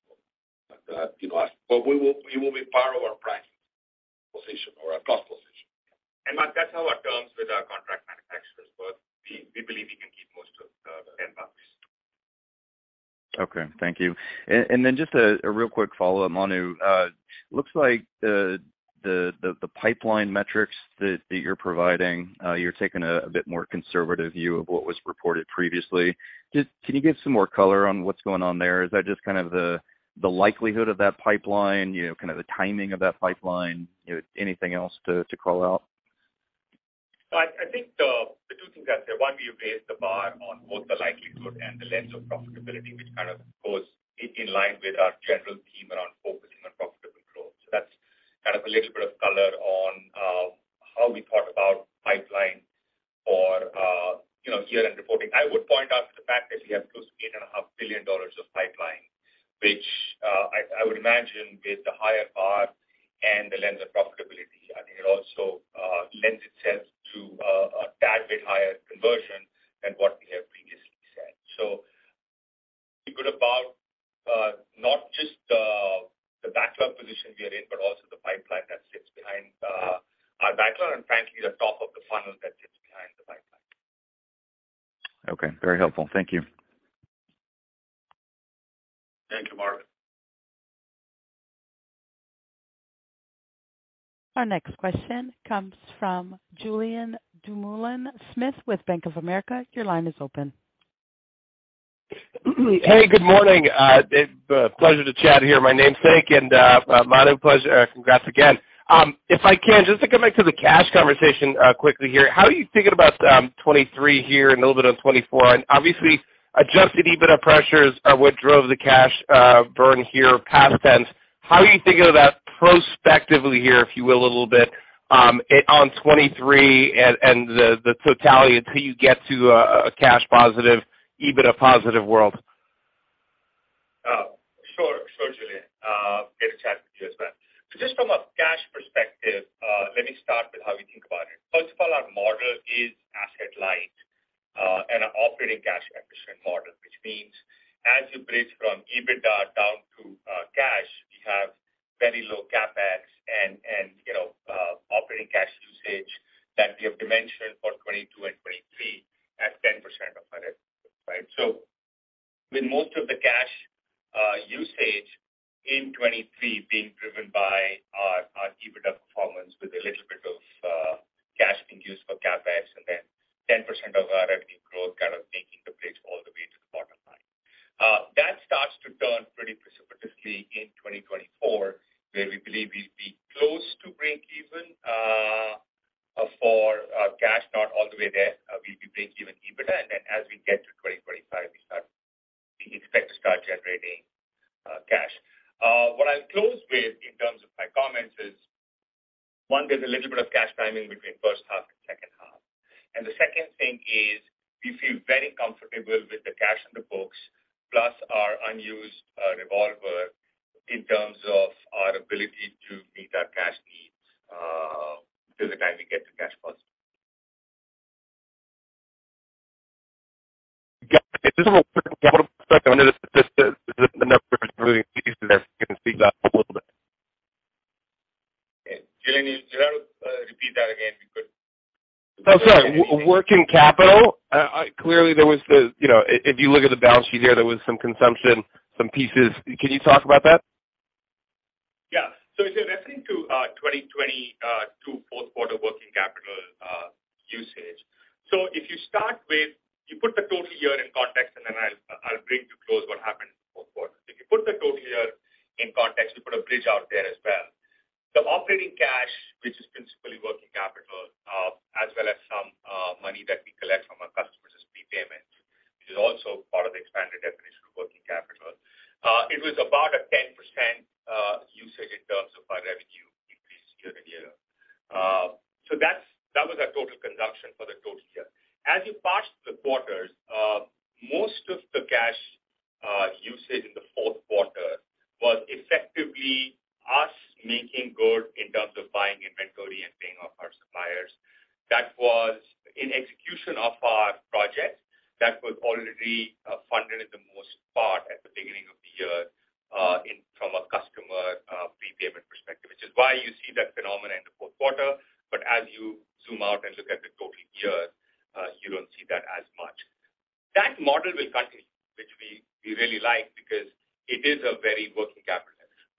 [SPEAKER 3] You know, we will. It will be part of our pricing position or our cost position.
[SPEAKER 4] Mark, that's how our terms with our contract manufacturers work. We believe we can keep most of the $10.
[SPEAKER 10] Okay. Thank you. Then just a real quick follow-up, Manu. Looks like the pipeline metrics that you're providing, you're taking a bit more conservative view of what was reported previously. Just can you give some more color on what's going on there? Is that just kind of the likelihood of that pipeline, you know, kind of the timing of that pipeline? You know, anything else to call out?
[SPEAKER 4] I think the two things I'd say. One, we have raised the bar on both the likelihood and the lens of profitability, which kind of goes in line with our general theme around focusing on profitable growth. That's kind of a little bit of color on how we thought about pipeline for, you know, year-end reporting. I would point out to the fact that we have close to $8.5 billion of pipeline, which I would imagine with the higher bar and the lens of profitability, I think it also lends itself to a tad bit higher conversion than what we have previously said. Feel good about, not just the backlog position we are in, but also the pipeline that sits behind, our backlog, and frankly, the top of the funnel that sits behind the pipeline.
[SPEAKER 10] Okay. Very helpful. Thank you.
[SPEAKER 3] Thank you, Mark.
[SPEAKER 1] Our next question comes from Julian Dumoulin-Smith with Bank of America. Your line is open.
[SPEAKER 11] Hey, good morning. It's a pleasure to chat here, my namesake. Manu, pleasure. Congrats again. If I can just to come back to the cash conversation quickly here. How are you thinking about 2023 here and a little bit of 2024? Obviously, Adjusted EBITDA pressures are what drove the cash burn here past tense. How are you thinking of that prospectively here, if you will, a little bit, it on 2023 and the totality until you get to a cash positive, EBITDA positive world?
[SPEAKER 4] Sure. Sure, Julian. Great to chat with you as well. Just from a cash perspective, let me start with how we think about it. First of all, our model is asset light, and operating cash efficient model, which means as you bridge from EBITDA down to cash, we have very low CapEx and, you know, operating cash usage that we have dimensioned for 2022 and 2023 at 10% of our revenue growth, right? With most of the cash usage in 2023 being driven by our EBITDA performance with a little bit of cash being used for CapEx and then 10% of our revenue growth kind of- 2024, where we believe we'll be close to breakeven for cash, not all the way there. We'll be breakeven EBITDA. As we get to 2025, we expect to start generating cash. What I'll close with in terms of my comments is, one, there's a little bit of cash timing between first half to second half. The second thing is we feel very comfortable with the cash on the books plus our unused revolver in terms of our ability to meet our cash needs through the time we get to cash positive.
[SPEAKER 11] Yeah. Just a little quick working capital stuff. I know the statistics, the numbers are really easy to investigate that a little bit.
[SPEAKER 4] Okay. Julian, do you mind repeat that again because?
[SPEAKER 11] Oh, sorry. Working capital, clearly. You know, if you look at the balance sheet here, there was some consumption, some pieces. Can you talk about that?
[SPEAKER 4] Yeah. If you're referring to 2022 fourth quarter working capital usage. If you start with you put the total year in context, and then I'll bring to close what happened in the fourth quarter. If you put the total year in context, you put a bridge out there as well. The operating cash, which is principally working capital, as well as some money that we collect from our customers as prepayment, which is also part of the expanded definition of working capital. It was about a 10% usage in terms of our revenue increase year and year. That was our total conduction for the total year. As you parse the quarters, most of the cash, usage in the fourth quarter was effectively us making good in terms of buying inventory and paying off our suppliers. That was in execution of our projects that were already, funded in the most part at the beginning of the year, from a customer, prepayment perspective, which is why you see that phenomenon in the fourth quarter. As you zoom out and look at the total year, you don't see that as much. That model will continue, which we really like because it is a very working capital efficient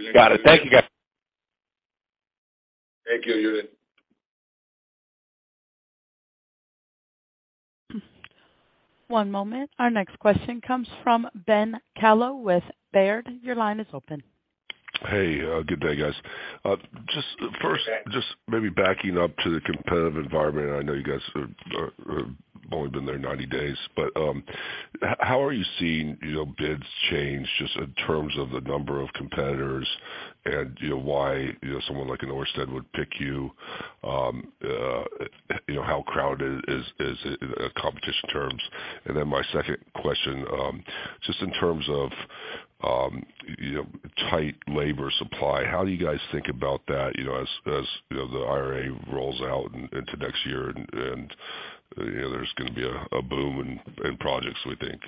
[SPEAKER 4] model.
[SPEAKER 11] Got it. Thank you, guys.
[SPEAKER 4] Thank you, Julian.
[SPEAKER 1] One moment. Our next question comes from Ben Kallo with Baird. Your line is open.
[SPEAKER 12] Hey, good day, guys. Just first, just maybe backing up to the competitive environment. I know you guys have only been there 90 days, but how are you seeing, you know, bids change just in terms of the number of competitors and, you know, why, you know, someone like an Ørsted would pick you? You know, how crowded is it in competition terms? Then my second question, just in terms of, you know, tight labor supply, how do you guys think about that, you know, as, you know, the IRA rolls out into next year and, you know, there's gonna be a boom in projects, we think.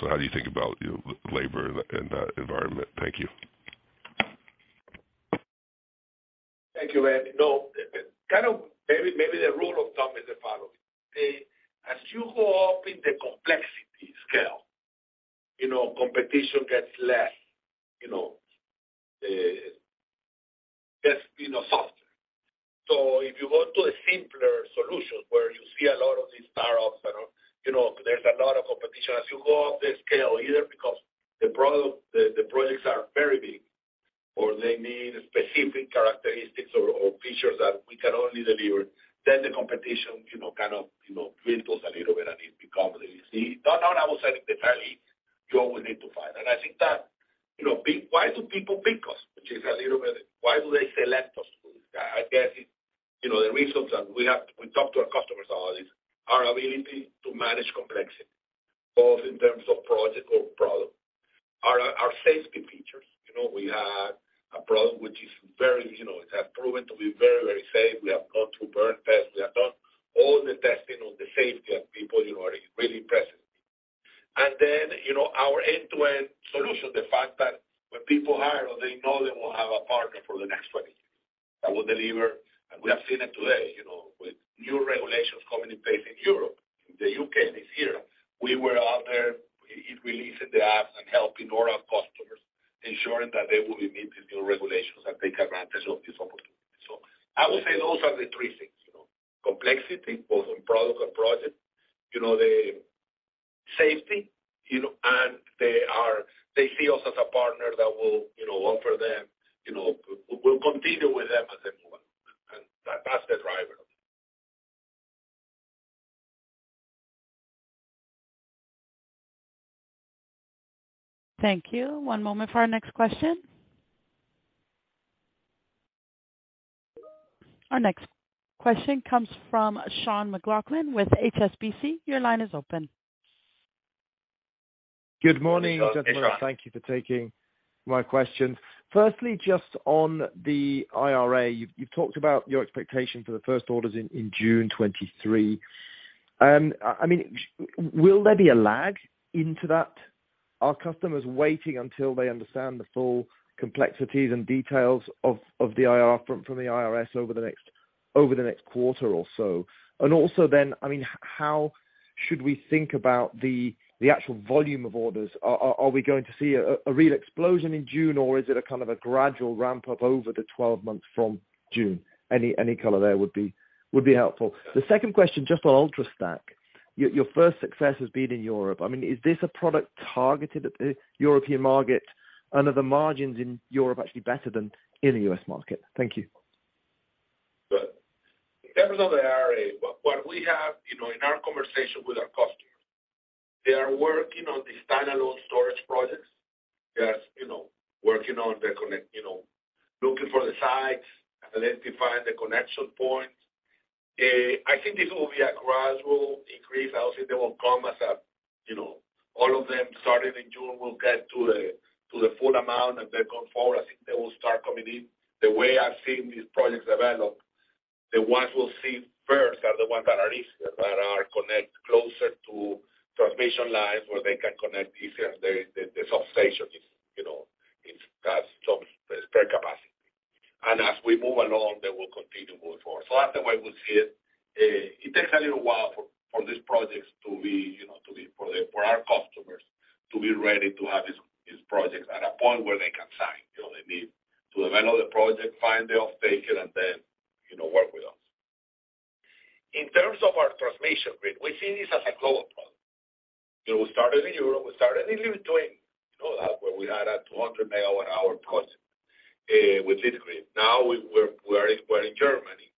[SPEAKER 12] How do you think about, you know, labor in that environment? Thank you.
[SPEAKER 3] Thank you, Ben. No, kind of maybe the rule of thumb is the following. As you go up in the complexity scale, you know, competition gets less, you know, gets, you know, softer. If you go to a simpler solution where you see a lot of these start-ups and, you know, there's a lot of competition. As you go up the scale, either because the product, the projects are very big or they need specific characteristics or features that we can only deliver, then the competition, you know, kind of, you know, dwindles a little bit and it becomes easy. No, I would say definitely you always need to fight. I think that, you know, why do people pick us? Which is a little bit, why do they select us? I guess it's, you know, the reasons, we talk to our customers always, our ability to manage complexity, both in terms of project or product. Our safety features. You know, we have a product which is very, you know, it has proven to be very, very safe. We have gone through burn tests. We have done all the testing on the safety, and people, you know, are really impressed. Then, you know, our end-to-end solution, the fact that when people hire us, they know they will have a partner for the next 20 years that will deliver. We have seen it today, you know, with new regulations coming in place in Europe, in the U.K. this year. We were out there e-releasing the apps and helping all our customers, ensuring that they will meet these new regulations and take advantage of this opportunity. I would say those are the three things, you know. Complexity, both on product and project. You know, the safety, you know, and they see us as a partner that will, you know, offer them, you know, will compete with them as they move on. That, that's the driver.
[SPEAKER 1] Thank you. One moment for our next question. Our next question comes from Sean McLoughlin with HSBC. Your line is open.
[SPEAKER 13] Good morning, gentlemen. Thank you for taking my questions. Firstly, just on the IRA, you've talked about your expectation for the first orders in June 23. I mean, will there be a lag into that? Are customers waiting until they understand the full complexities and details of the IRA from the IRS over the next quarter or so? I mean, how should we think about the actual volume of orders? Are we going to see a real explosion in June, or is it a kind of a gradual ramp up over the 12 months from June? Any color there would be helpful. The second question, just on Ultrastack. Your first success has been in Europe. I mean, is this a product targeted at the European market? Are the margins in Europe actually better than in the U.S. market? Thank you.
[SPEAKER 3] Good. In terms of the IRA, what we have, you know, in our conversation with our customers, they are working on the standalone storage projects. They are, you know, working on the you know, looking for the sites, identifying the connection points. I think this will be a gradual increase. I don't think they will come as a, you know, all of them starting in June will get to the full amount. Then going forward, I think they will start coming in. The way I've seen these projects develop, the ones we'll see first are the ones that are easier, that are connect closer to transmission lines where they can connect easier. The substation is, you know, it's got some spare capacity. As we move along, they will continue to move forward. That's the way we see it. It takes a little while for these projects to be, you know, for our customers to be ready to have these projects at a point where they can sign. You know, they need to develop the project, find the off-taker, and then, you know, work with us. In terms of our transmission grid, we see this as a global problem. You know, we started in Europe, we started in between. You know, that's where we had a 200 MWh project with Grid. Now we're in Germany.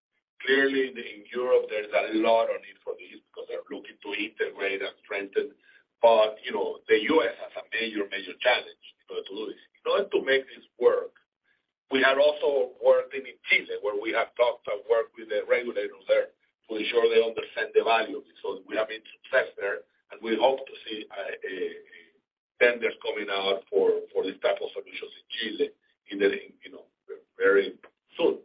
[SPEAKER 3] Clearly in Europe, there's a lot of need for this because they're looking to integrate and strengthen. You know, the U.S. has a major challenge in order to do this. In order to make this work, we are also working in Chile, where we have talked our work with the regulators there to ensure they understand the value of this. We have been success there, and we hope to see a vendors coming out for these type of solutions in Chile in the, you know, very soon.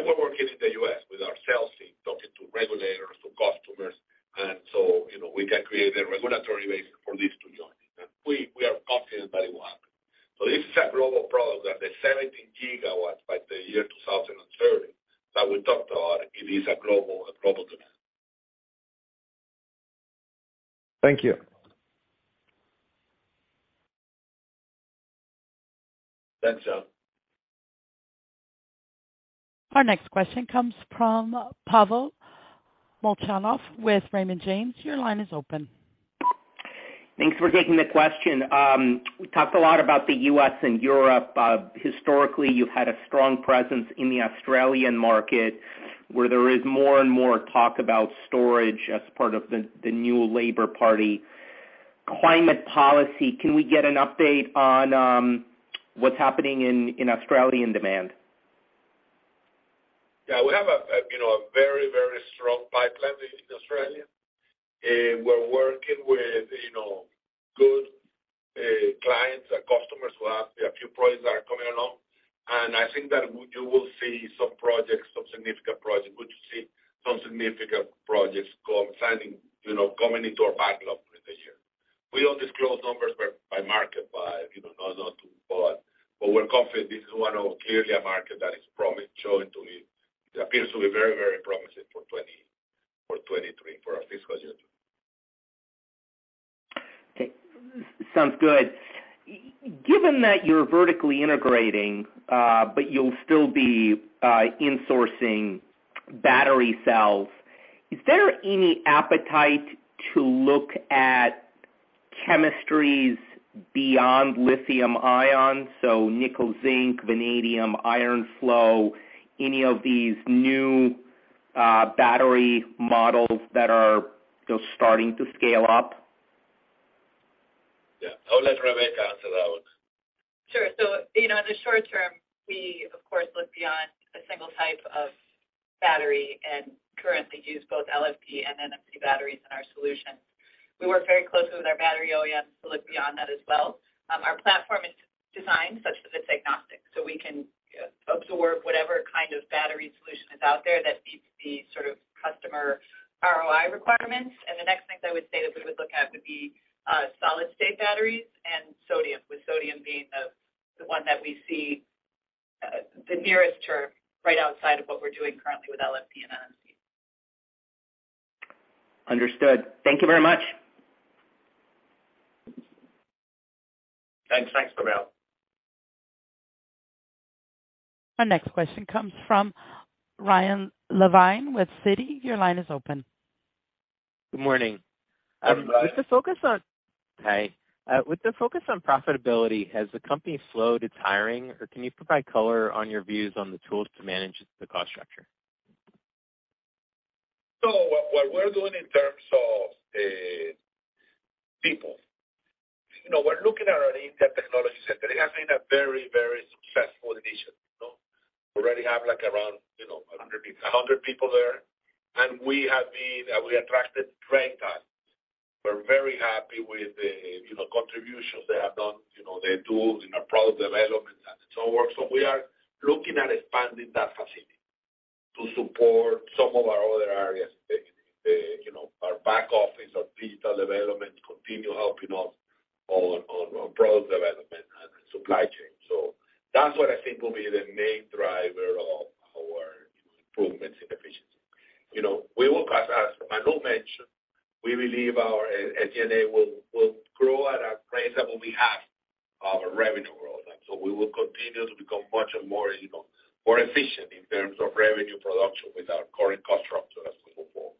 [SPEAKER 3] We're working in the U.S. with our sales team, talking to regulators, to customers, and so, you know, we can create a regulatory base for this to join. We are confident that it will happen. This is a global product at the 17 GW by the year 2030 that we talked about. It is a global demand.
[SPEAKER 13] Thank you.
[SPEAKER 3] Thanks, Sean.
[SPEAKER 1] Our next question comes from Pavel Molchanov with Raymond James. Your line is open.
[SPEAKER 14] Thanks for taking the question. We talked a lot about the U.S. and Europe. Historically, you've had a strong presence in the Australian market, where there is more and more talk about storage as part of the new Labor Party climate policy. Can we get an update on what's happening in Australian demand?
[SPEAKER 3] Yeah, we have a, you know, a very, very strong pipeline in Australia. We're working with, you know, good clients and customers who have a few projects that are coming along. I think that you will see some projects, some significant projects signing, you know, coming into our backlog within the year. We don't disclose numbers by market. But we're confident this is one of clearly a market that appears to be very, very promising for 2023 for our fiscal year.
[SPEAKER 14] Okay. Sounds good. Given that you're vertically integrating, but you'll still be insourcing battery cells, is there any appetite to look at chemistries beyond lithium ion, so nickel, zinc, vanadium, iron flow, any of these new battery models that are just starting to scale up?
[SPEAKER 3] Yeah. I'll let Rebecca answer that one.
[SPEAKER 9] Sure. You know, in the short term, we of course look beyond a single type of battery and currently use both LFP and NMC batteries in our solution. We work very closely with our battery OEMs to look beyond that as well. Our platform is designed such that it's agnostic, so we can absorb whatever kind of battery solution is out there that meets the sort of customer ROI requirements. The next thing I would say that we would look at would be solid-state batteries and sodium, with sodium being the one that we see the nearest term right outside of what we're doing currently with LFP and NMC.
[SPEAKER 14] Understood. Thank you very much.
[SPEAKER 3] Thanks. Thanks, Pavel.
[SPEAKER 1] Our next question comes from Ryan Levine with Citi. Your line is open.
[SPEAKER 15] Good morning.
[SPEAKER 3] Good morning.
[SPEAKER 15] Hi. With the focus on profitability, has the company slowed its hiring, or can you provide color on your views on the tools to manage the cost structure?
[SPEAKER 3] What we're doing in terms of people, you know, we're looking at our in-depth technology center. It has been a very successful addition. You know, we already have like around, you know...
[SPEAKER 15] 100 people.
[SPEAKER 3] 100 people there. We attracted great talent. We're very happy with the, you know, contributions they have done. You know, the tools in our product development and so on. We are looking at expanding that facility to support some of our other areas, you know, our back office, our digital development, continue helping us on product development and supply chain. That's what I think will be the main driver of our improvements in efficiency. You know, we will, as Manu mentioned, we believe our SG&A will grow at a rate that will be half our revenue growth. We will continue to become much more, you know, more efficient in terms of revenue production with our current cost structure as we move forward.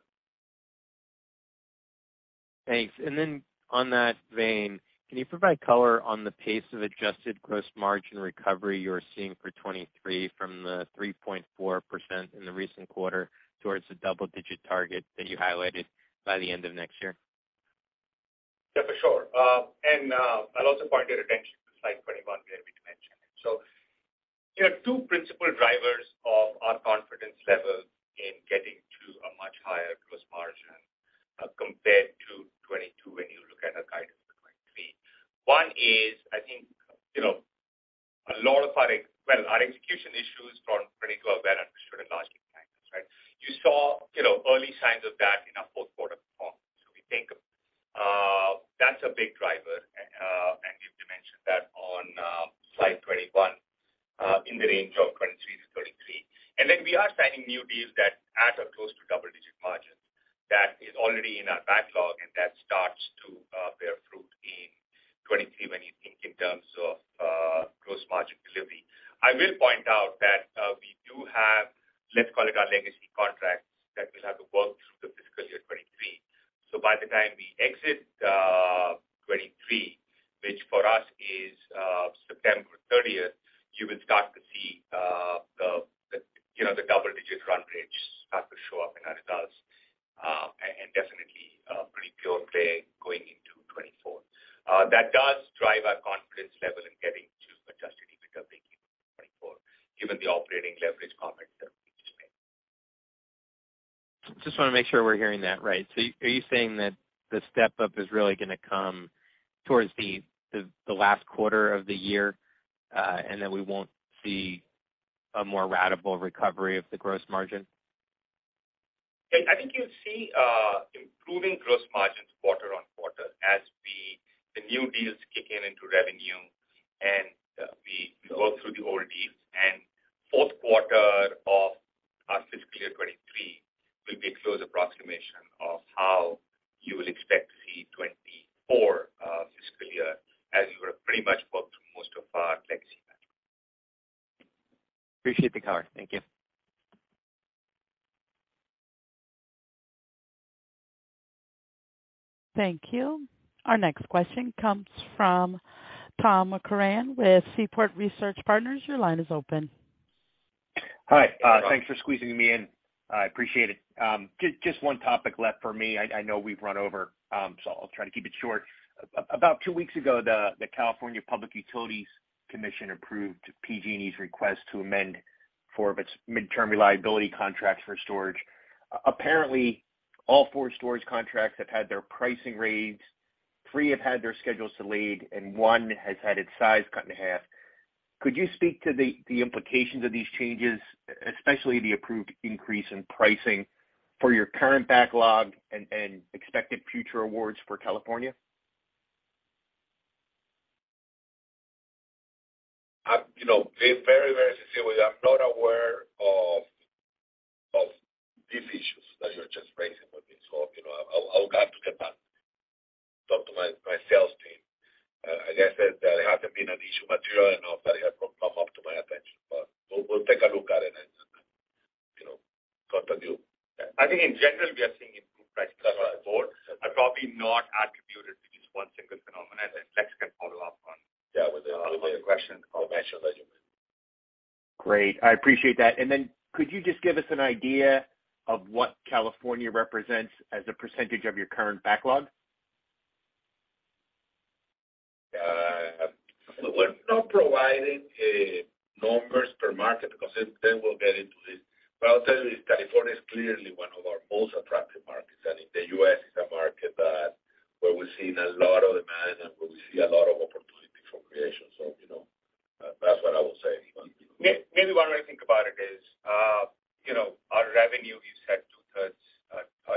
[SPEAKER 15] Thanks. On that vein, can you provide color on the pace of adjusted gross margin recovery you're seeing for 2023 from the 3.4% in the recent quarter towards the double-digit target that you highlighted by the end of next year?
[SPEAKER 4] Yeah, for sure. I'll also point your attention to Slide 21, where we dimension it. There are two principal drivers of our confidence level in getting to a much higher gross margin compared to 2022 when you look at our guidance for 2023. One is, I think, you know, a lot of our execution issues from 2012 are well understood and largely planned, right? You saw, you know, early signs of that in our fourth quarter performance. We think that's a big driver, and we've dimensioned that on Slide 21 in the range of 23-33. We are signing new deals that add a close to double-digit margins. That is already in our backlog, and that starts to bear fruit in 2023 when you think in terms of gross margin delivery. I will point out that we do have, let's call it our legacy contracts, that we'll have to work through the fiscal year 2023. By the time we exit 2023, which for us is September 30th, you will start to see the, you know, the double-digit run rate start to show up in our results, and definitely a pretty pure play going into 2024. That does drive our confidence level in getting to Adjusted EBITDA breaking even in 2024, given the operating leverage comment that we just made.
[SPEAKER 15] Just wanna make sure we're hearing that right. Are you saying that the step-up is really gonna come towards the last quarter of the year, and then we won't see a more ratable recovery of the gross margin?
[SPEAKER 4] I think you'll see, improving gross margins quarter-on-quarter as the new deals kick in into revenue and we work through the old deals. Fourth quarter of our fiscal year 2023 will be a close approximation of how you will expect to see 2024 fiscal year as we would have pretty much worked through most of our legacy backlog.
[SPEAKER 15] Appreciate the color. Thank you.
[SPEAKER 1] Thank you. Our next question comes from Tom Curran with Seaport Research Partners. Your line is open.
[SPEAKER 16] Hi. thanks for squeezin me in. I appreciate it. just one topic left for me. I know we've run over, so I'll try to keep it short. About two weeks ago, the California Public Utilities Commission approved PG&E's request to amend four of its midterm reliability contracts for storage. Apparently, all four storage contracts have had their pricing raised, three have had their schedules delayed, and 1 has had its size cut in half. Could you speak to the implications of these changes, especially the approved increase in pricing for your current backlog and expected future awards for California?
[SPEAKER 3] You know, be very, very sincere with you. I'm not aware of these issues that you're just raising with me. You know, I'll have to get back, talk to my sales team. Like I said, there hasn't been an issue material enough that it has come up to my attention. We'll take a look at it and, you know, talk to you. Yeah.
[SPEAKER 4] I think in general, we are seeing improved pricing across the board.
[SPEAKER 3] That's right.
[SPEAKER 4] Probably not attributed to just one single phenomenon that Lex can follow up on.
[SPEAKER 3] Yeah. With the other way of question or mention later.
[SPEAKER 16] Great. I appreciate that. Could you just give us an idea of what California represents as a percentage of your current backlog?
[SPEAKER 3] We're not providing numbers per market because then we'll get into this. I'll tell you this, California is clearly one of our most attractive markets, and in the U.S., it's a market where we're seeing a lot of demand and where we see a lot of opportunity for creation. You know, that's what I will say.
[SPEAKER 4] Maybe one way to think about it is, you know, our revenue is set 2/3.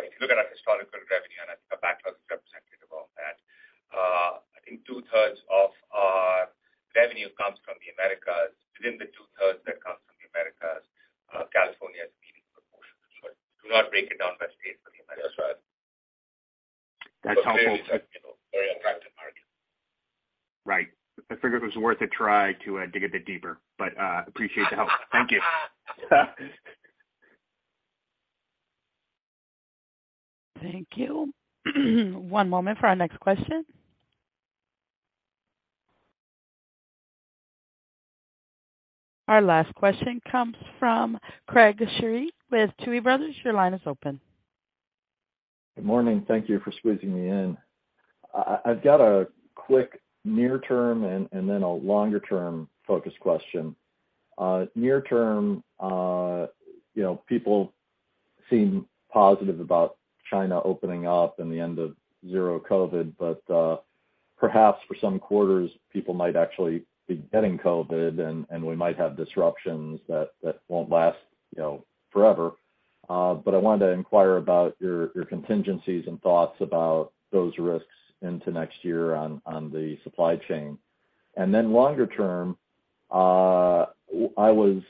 [SPEAKER 4] If you look at our historical revenue and I think our backlog is representative of that, I think 2/3 of our revenue comes from the Americas. Within the 2/3 that comes from the Americas, California is a meaningful proportion. We do not break it down by state for the Americas.
[SPEAKER 3] That's right.
[SPEAKER 16] That's helpful.
[SPEAKER 3] Clearly, it's a, you know, very attractive market.
[SPEAKER 16] Right. I figured it was worth a try to dig a bit deeper, but appreciate the help. Thank you.
[SPEAKER 1] Thank you. One moment for our next question. Our last question comes from Craig Shere with Tuohy Brothers. Your line is open.
[SPEAKER 17] Good morning. Thank you for squeezing me in. I've got a quick near term and then a longer term focus question. Near term, you know, people seem positive about China opening up and the end of zero COVID, perhaps for some quarters, people might actually be getting COVID and we might have disruptions that won't last, you know, forever. I wanted to inquire about your contingencies and thoughts about those risks into next year on the supply chain. Longer term, I was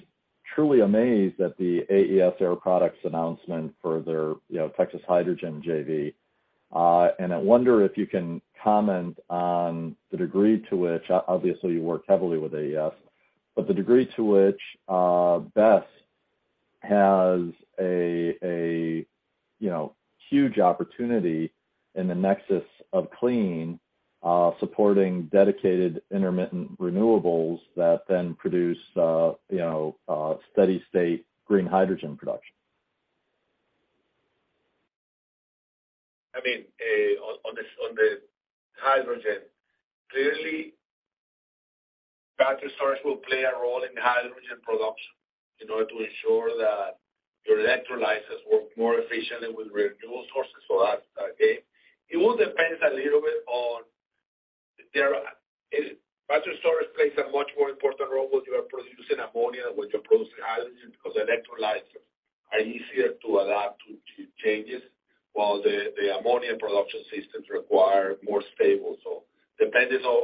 [SPEAKER 17] truly amazed at the AES Air Products announcement for their, you know, Texas hydrogen JV. I wonder if you can comment on the degree to which, obviously you work heavily with AES, but the degree to which, BESS has, you know, huge opportunity in the nexus of clean, supporting dedicated intermittent renewables that then produce, you know, steady state green hydrogen production.
[SPEAKER 3] I mean, on the hydrogen, clearly battery storage will play a role in hydrogen production in order to ensure that your electrolysis work more efficiently with renewable sources. That's okay. It will depends a little bit on their if battery storage plays a much more important role when you are producing ammonia, when you're producing hydrogen, because electrolyzers are easier to adapt to changes, while the ammonia production systems require more stable. depends on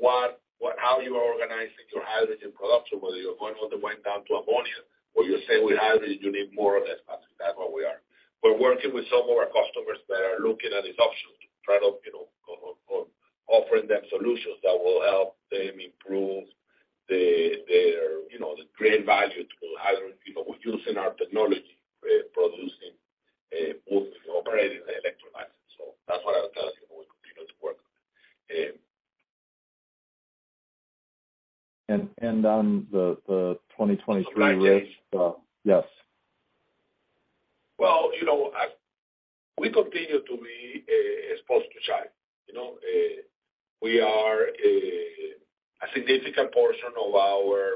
[SPEAKER 3] what how you are organizing your hydrogen production, whether you're going all the way down to ammonia or you're saying with hydrogen, you need more or less battery. That's where we are. We're working with some of our customers that are looking at these options to try to, you know, offer them solutions that will help them improve the, their, you know, the great value to hydrogen. You know, we're using our technology, producing, both operating the electrolyzers. That's what I was telling you we'll continue to work on.
[SPEAKER 17] And, and on the, the 2023 risk-
[SPEAKER 3] Supply chain?
[SPEAKER 17] Yes.
[SPEAKER 3] Well, you know, as we continue to be exposed to China. You know, we are a significant portion of our